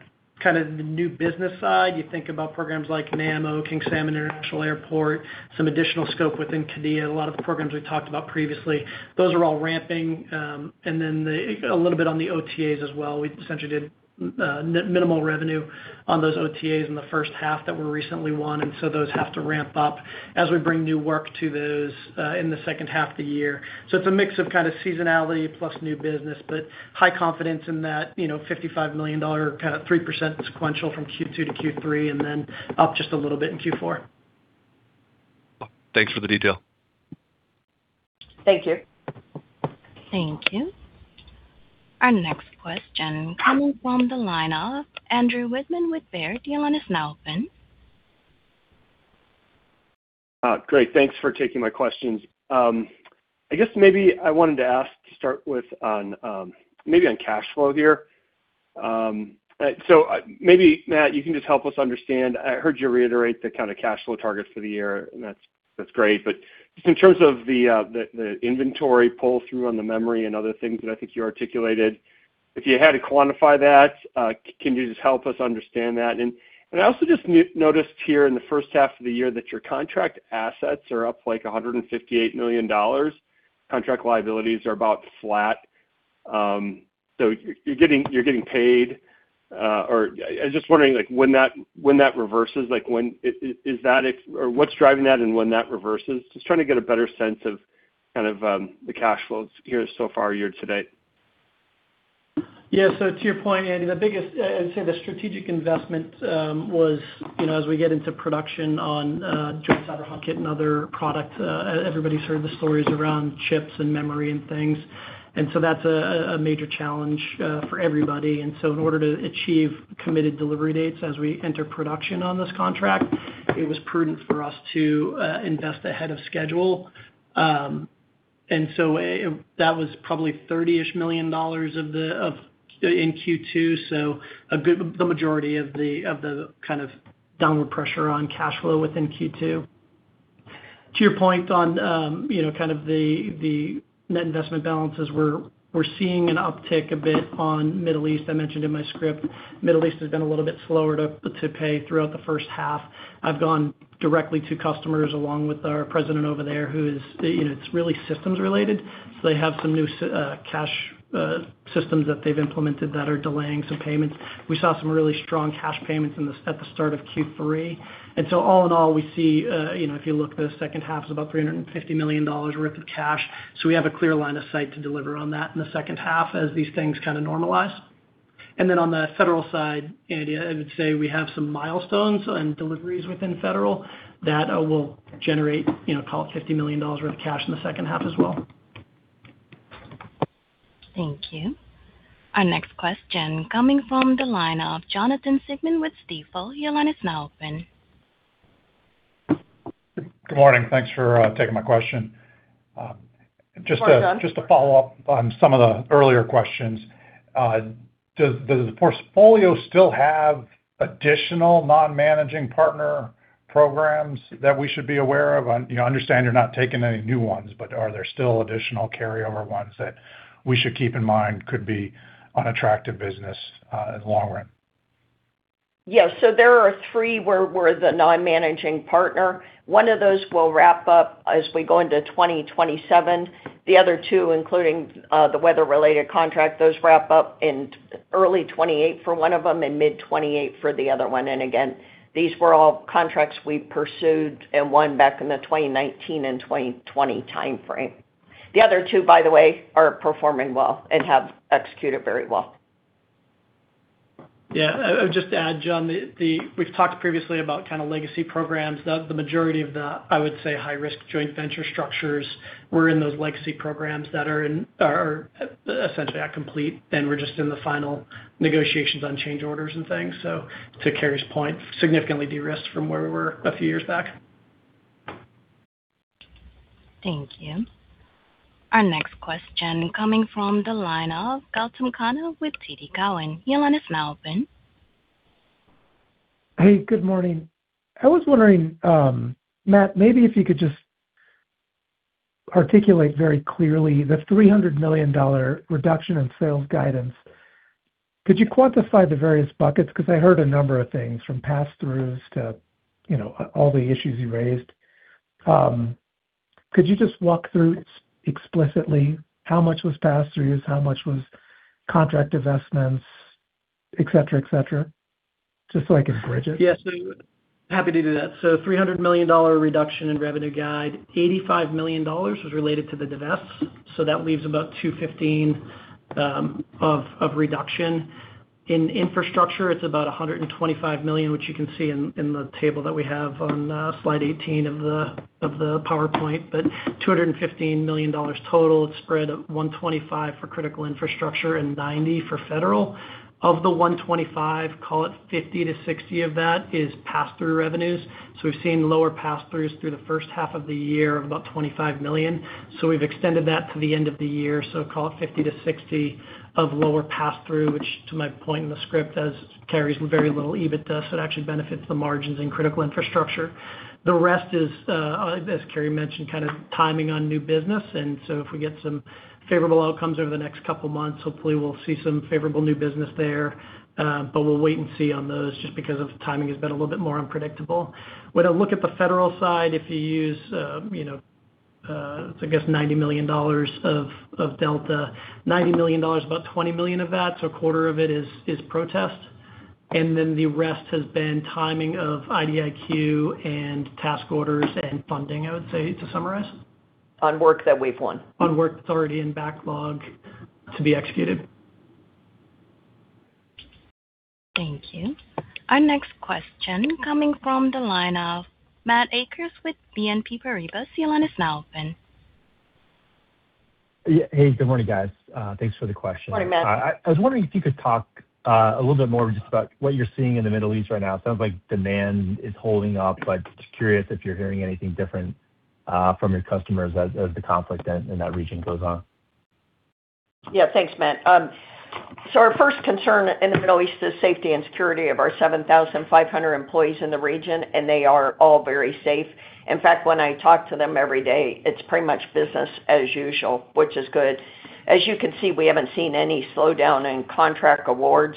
the new business side, you think about programs like Nammo, King Salman International Airport, some additional scope within Qiddiya, a lot of the programs we talked about previously. Those are all ramping. A little bit on the OTAs as well. We essentially did minimal revenue on those OTAs in the H1 that were recently won, those have to ramp up as we bring new work to those in the H2 of the year. It's a mix of seasonality plus new business, but high confidence in that $55 million, 3% sequential from Q2 to Q3, then up just a little bit in Q4. Thanks for the detail. Thank you. Thank you. Our next question coming from the line of Andrew Wittmann with Baird. Your line is now open. Great. Thanks for taking my questions. I wanted to ask to start with maybe on cash flow here. Maybe, Matt, you can just help us understand. I heard you reiterate the kind of cash flow targets for the year, and that's great. Just in terms of the inventory pull-through on the memory and other things that I think you articulated, if you had to quantify that, can you just help us understand that? I also just noticed here in the H1 of the year that your contract assets are up like $158 million. Contract liabilities are about flat. You're getting paid, or I was just wondering when that reverses. What's driving that and when that reverses? Just trying to get a better sense of the cash flows here so far year-to-date. To your point, Andy, the biggest, I'd say the strategic investment was as we get into production on Joint Cyber Hunt Kit and other products, everybody's heard the stories around chips and memory and things. That's a major challenge for everybody. In order to achieve committed delivery dates as we enter production on this contract, it was prudent for us to invest ahead of schedule. That was probably $30-ish million in Q2, so the majority of the downward pressure on cash flow within Q2. To your point on the net investment balances, we're seeing an uptick a bit on Middle East. I mentioned in my script, Middle East has been a little bit slower to pay throughout the H1. I've gone directly to customers along with our president over there. It's really systems related. They have some new cash systems that they've implemented that are delaying some payments. We saw some really strong cash payments at the start of Q3. All in all, we see, if you look, the H2 is about $350 million worth of cash. We have a clear line of sight to deliver on that in the H2 as these things normalize. On the federal side, Andy, I would say we have some milestones and deliveries within federal that will generate, call it $50 million worth of cash in the H2 as well. Thank you. Our next question coming from the line of Jonathan Siegmann with Stifel. Your line is now open. Good morning. Thanks for taking my question. Good morning, John. To follow up on some of the earlier questions. Does the portfolio still have additional non-managing partner programs that we should be aware of? I understand you're not taking any new ones, but are there still additional carryover ones that we should keep in mind could be unattractive business in the long run? Yes. There are three where we're the non-managing partner. One of those will wrap up as we go into 2027. The other two, including the weather-related contract, those wrap up in early 2028 for one of them and mid-2028 for the other one. Again, these were all contracts we pursued and won back in the 2019 and 2020 timeframe. The other two, by the way, are performing well and have executed very well. I would just add, John, we've talked previously about legacy programs. The majority of the, I would say, high-risk joint venture structures were in those legacy programs that are essentially at complete, and we're just in the final negotiations on change orders and things. To Carey's point, significantly de-risked from where we were a few years back. Thank you. Our next question coming from the line of Gautam Khanna with TD Cowen. Your line is now open. Hey, good morning. I was wondering, Matt, maybe if you could just articulate very clearly the $300 million reduction in sales guidance. Could you quantify the various buckets? I heard a number of things from passthroughs to all the issues you raised. Could you just walk through explicitly how much was passthroughs, how much was contract divestments, et cetera? Just so I can bridge it. Yes. Happy to do that. $300 million reduction in revenue guide, $85 million was related to the divest. That leaves about $215 million of reduction. In infrastructure, it's about $125 million, which you can see in the table that we have on slide 18 of the PowerPoint. $215 million total. It's spread at $125 million for Critical Infrastructure and $90 million for federal. Of the $125 million, call it $50 million-$60 million of that is pass-through revenues. We've seen lower pass-throughs through the H1 of the year of about $25 million. We've extended that to the end of the year, so call it $50 million-$60 million of lower pass-through, which to my point in the script, as carries very little EBITDA, so it actually benefits the margins in Critical Infrastructure. The rest is, as Carey mentioned, kind of timing on new business. If we get some favorable outcomes over the next couple of months, hopefully we'll see some favorable new business there. We'll wait and see on those just because of timing has been a little bit more unpredictable. When I look at the federal side, if you use, I guess $90 million of delta. $90 million, about $20 million of that, so a quarter of it is protest. The rest has been timing of IDIQ and task orders and funding, I would say, to summarize. On work that we've won. On work that's already in backlog to be executed. Thank you. Our next question coming from the line of Matt Akers with BNP Paribas. Your line is now open. Hey, good morning, guys. Thanks for the question. Morning, Matt. I was wondering if you could talk a little bit more just about what you're seeing in the Middle East right now. It sounds like demand is holding up, but just curious if you're hearing anything different from your customers as the conflict in that region goes on. Yeah. Thanks, Matt. Our first concern in the Middle East is safety and security of our 7,500 employees in the region, and they are all very safe. In fact, when I talk to them every day, it's pretty much business as usual, which is good. As you can see, we haven't seen any slowdown in contract awards,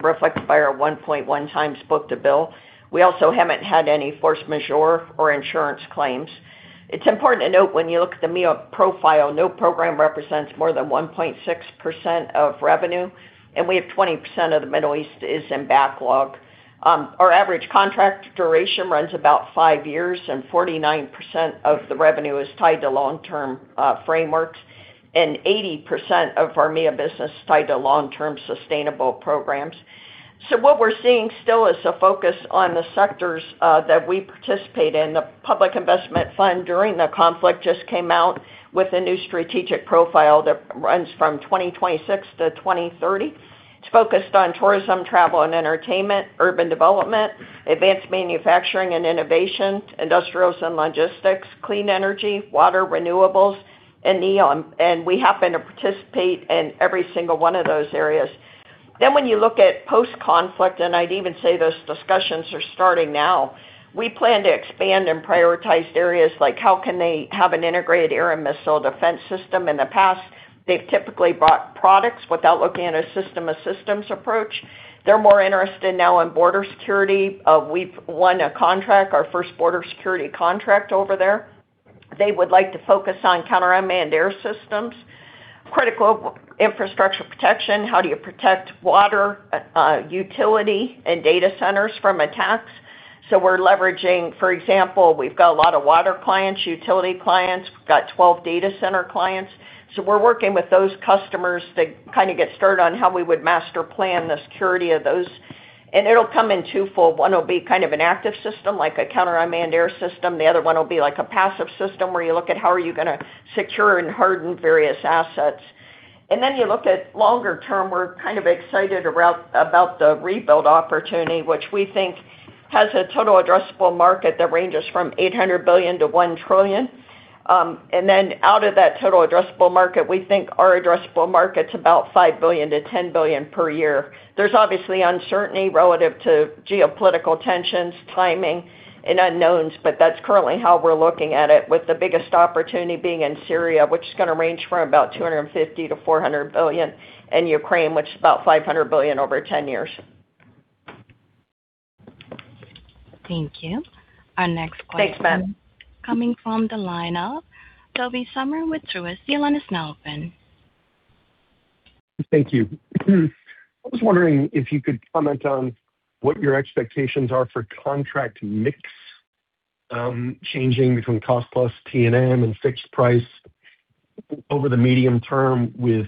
reflected by our 1.1x book-to-bill. We also haven't had any force majeure or insurance claims. It's important to note when you look at the MEA profile, no program represents more than 1.6% of revenue, and we have 20% of the Middle East is in backlog. Our average contract duration runs about five years, and 49% of the revenue is tied to long-term frameworks, and 80% of our MEA business is tied to long-term sustainable programs. What we're seeing still is a focus on the sectors that we participate in. The Public Investment Fund during the conflict just came out with a new strategic profile that runs from 2026-2030. It's focused on tourism, travel and entertainment, urban development, advanced manufacturing and innovation, industrials and logistics, clean energy, water, renewables, and NEOM. We happen to participate in every single one of those areas. When you look at post-conflict, and I'd even say those discussions are starting now, we plan to expand in prioritized areas like how can they have an integrated air and missile defense system. In the past, they've typically bought products without looking at a system of systems approach. They're more interested now in border security. We've won a contract, our first border security contract over there. They would like to focus on counter-unmanned air systems, critical infrastructure protection. How do you protect water, utility, and data centers from attacks? We're leveraging, for example, we've got a lot of water clients, utility clients. We've got 12 data center clients. We're working with those customers to kind of get started on how we would master plan the security of those. It'll come in twofold. One will be kind of an active system, like a counter-unmanned air system. The other one will be like a passive system where you look at how are you going to secure and harden various assets. Then you look at longer term, we're kind of excited about the rebuild opportunity, which we think has a total addressable market that ranges from $800 billion to $1 trillion. Then out of that total addressable market, we think our addressable market's about $5 billion-$10 billion per year. There's obviously uncertainty relative to geopolitical tensions, timing, and unknowns, but that's currently how we're looking at it with the biggest opportunity being in Syria, which is going to range from about $250 billion-$400 billion, and Ukraine, which is about $500 billion over 10 years. Thank you. Our next question- Thanks, Matt Coming from the line of Tobey Sommer with Truist. Your line is now open. Thank you. I was wondering if you could comment on what your expectations are for contract mix, changing between cost plus T&M and fixed price over the medium term with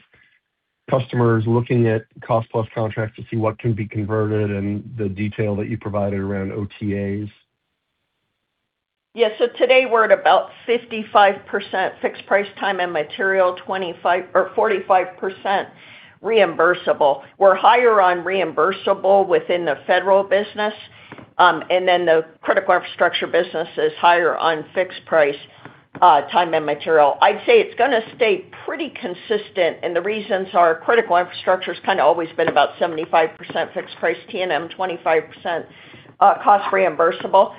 customers looking at cost plus contracts to see what can be converted and the detail that you provided around OTAs. Yeah. Today, we're at about 55% fixed price time and material, 45% reimbursable. We're higher on reimbursable within the federal business. The critical infrastructure business is higher on fixed price, time and material. I'd say it's going to stay pretty consistent, and the reasons are critical infrastructure's kind of always been about 75% fixed price T&M, 25% cost reimbursable.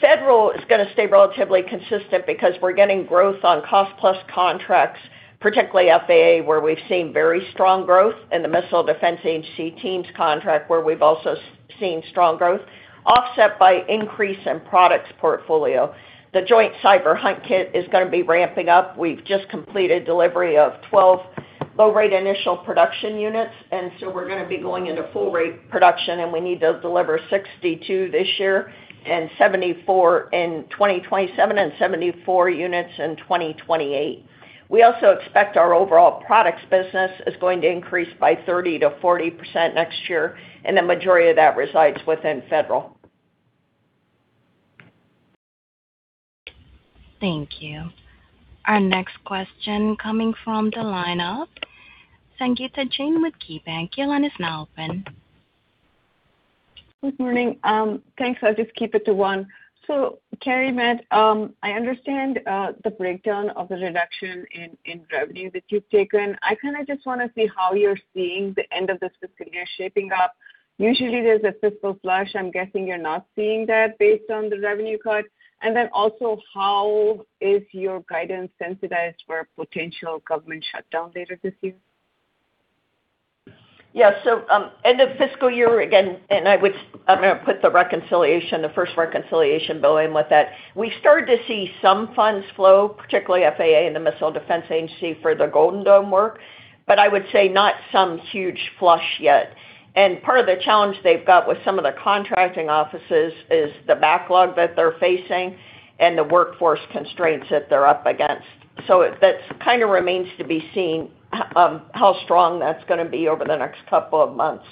Federal is going to stay relatively consistent because we're getting growth on cost plus contracts, particularly FAA, where we've seen very strong growth in the Missile Defense Agency teams contract, where we've also seen strong growth offset by increase in products portfolio. The Joint Cyber Hunt Kit is going to be ramping up. We've just completed delivery of 12 low-rate initial production units. We're going to be going into full-rate production. We need to deliver 62 this year, 74 in 2027, and 74 units in 2028. We also expect our overall products business is going to increase by 30%-40% next year. The majority of that resides within Federal. Thank you. Our next question coming from the line of Sangita Jain with KeyBanc. Your line is now open. Good morning. Thanks. I'll just keep it to one. Carey, Matt, I understand the breakdown of the reduction in revenue that you've taken. I just want to see how you're seeing the end of this fiscal year shaping up. Usually, there's a fiscal flush. I'm guessing you're not seeing that based on the revenue cut. Also, how is your guidance sensitized for a potential government shutdown later this year? End of fiscal year again. I'm going to put the first reconciliation bill in with that. We started to see some funds flow, particularly FAA and the Missile Defense Agency for their Golden Dome work. I would say not some huge flush yet. Part of the challenge they've got with some of their contracting offices is the backlog that they're facing and the workforce constraints that they're up against. That remains to be seen, how strong that's going to be over the next couple of months.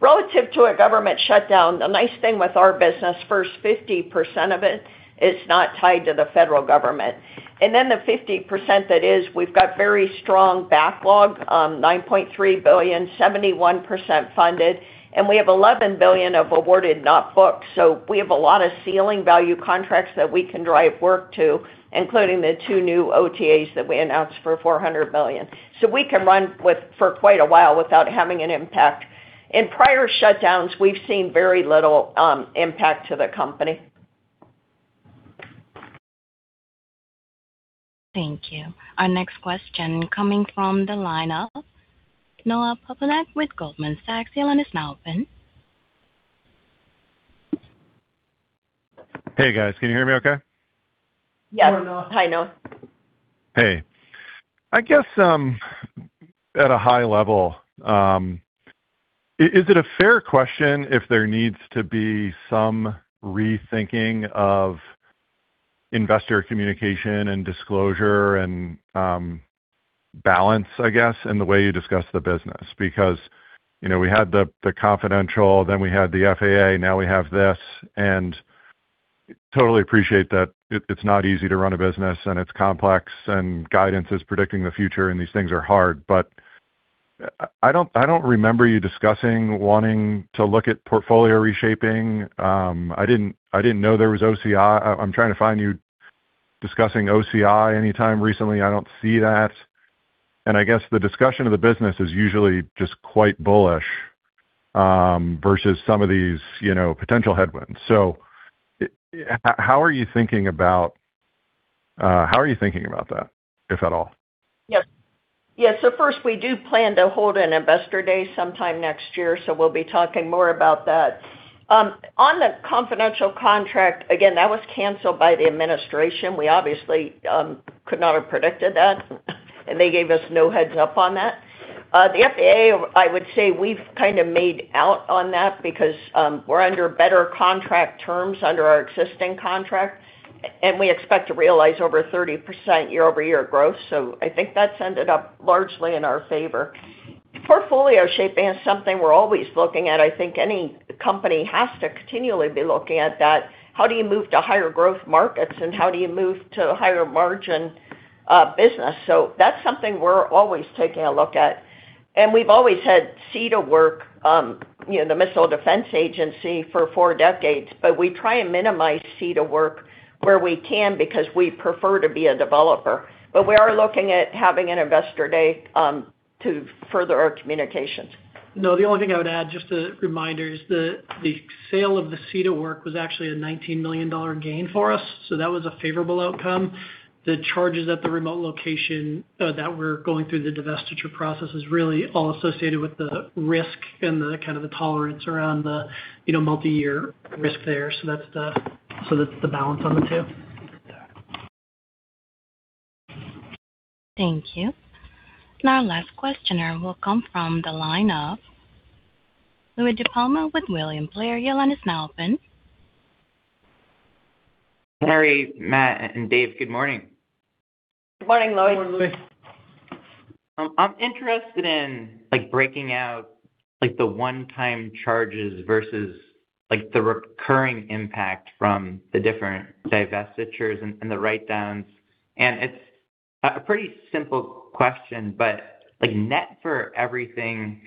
Relative to a government shutdown, the nice thing with our business, first 50% of it is not tied to the Federal government. The 50% that is, we've got very strong backlog, $9.3 billion, 71% funded. We have $11 billion of awarded not booked. We have a lot of ceiling value contracts that we can drive work to, including the two new OTAs that we announced for $400 million. We can run for quite a while without having an impact. In prior shutdowns, we've seen very little impact to the company. Thank you. Our next question coming from the line of Noah Poponak with Goldman Sachs. Your line is now open. Hey, guys. Can you hear me okay? Yes. Hi, Noah. Hey. I guess at a high level, is it a fair question if there needs to be some rethinking of investor communication and disclosure and balance, I guess, in the way you discuss the business? We had the confidential, then we had the FAA, now we have this. Totally appreciate that it's not easy to run a business, and it's complex, and guidance is predicting the future, and these things are hard. I don't remember you discussing wanting to look at portfolio reshaping. I didn't know there was OCI. I'm trying to find you discussing OCI anytime recently. I don't see that. I guess the discussion of the business is usually just quite bullish, versus some of these potential headwinds. How are you thinking about that, if at all? Yes. First, we do plan to hold an investor day sometime next year, so we'll be talking more about that. On the confidential contract, again, that was canceled by the administration. We obviously could not have predicted that, and they gave us no heads up on that. The FAA, I would say we've kind of made out on that because we're under better contract terms under our existing contract, and we expect to realize over 30% year-over-year growth. I think that's ended up largely in our favor. Portfolio shaping is something we're always looking at. I think any company has to continually be looking at that. How do you move to higher growth markets, and how do you move to higher margin business? That's something we're always taking a look at. We've always had C2 work, the Missile Defense Agency for four decades, but we try and minimize C2 work where we can because we prefer to be a developer. We are looking at having an Investor Day to further our communications. Noah, the only thing I would add, just a reminder, is the sale of the C2 work was actually a $19 million gain for us. That was a favorable outcome. The charges at the remote location that we're going through the divestiture process is really all associated with the risk and the kind of the tolerance around the multi-year risk there. That's the balance on the two. Thank you. Now our last questioner will come from the line of Louie DiPalma with William Blair. Your line is now open. Carey, Matt, and Dave, good morning. Good morning, Louie. Good morning, Louie. It's a pretty simple question, but net for everything,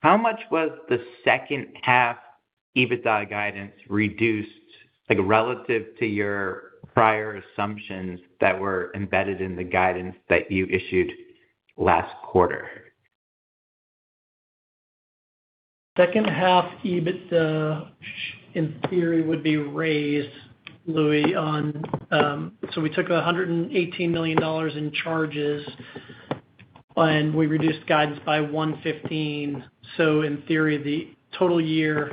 how much was the H2 EBITDA guidance reduced relative to your prior assumptions that were embedded in the guidance that you issued last quarter? H2 EBITDA in theory would be raised, Louie. We took $118 million in charges, and we reduced guidance by $115 million, so in theory, the total year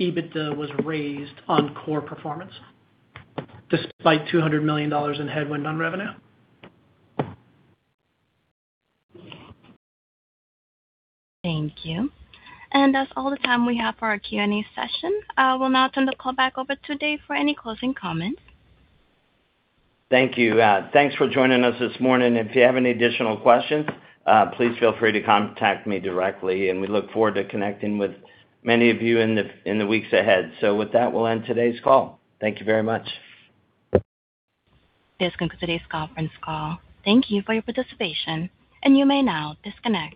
EBITDA was raised on core performance despite $200 million in headwind on revenue. Thank you. That's all the time we have for our Q&A session. I will now turn the call back over to Dave for any closing comments. Thank you. Thanks for joining us this morning. If you have any additional questions, please feel free to contact me directly, and we look forward to connecting with many of you in the weeks ahead. With that, we'll end today's call. Thank you very much. This concludes today's conference call. Thank you for your participation, and you may now disconnect.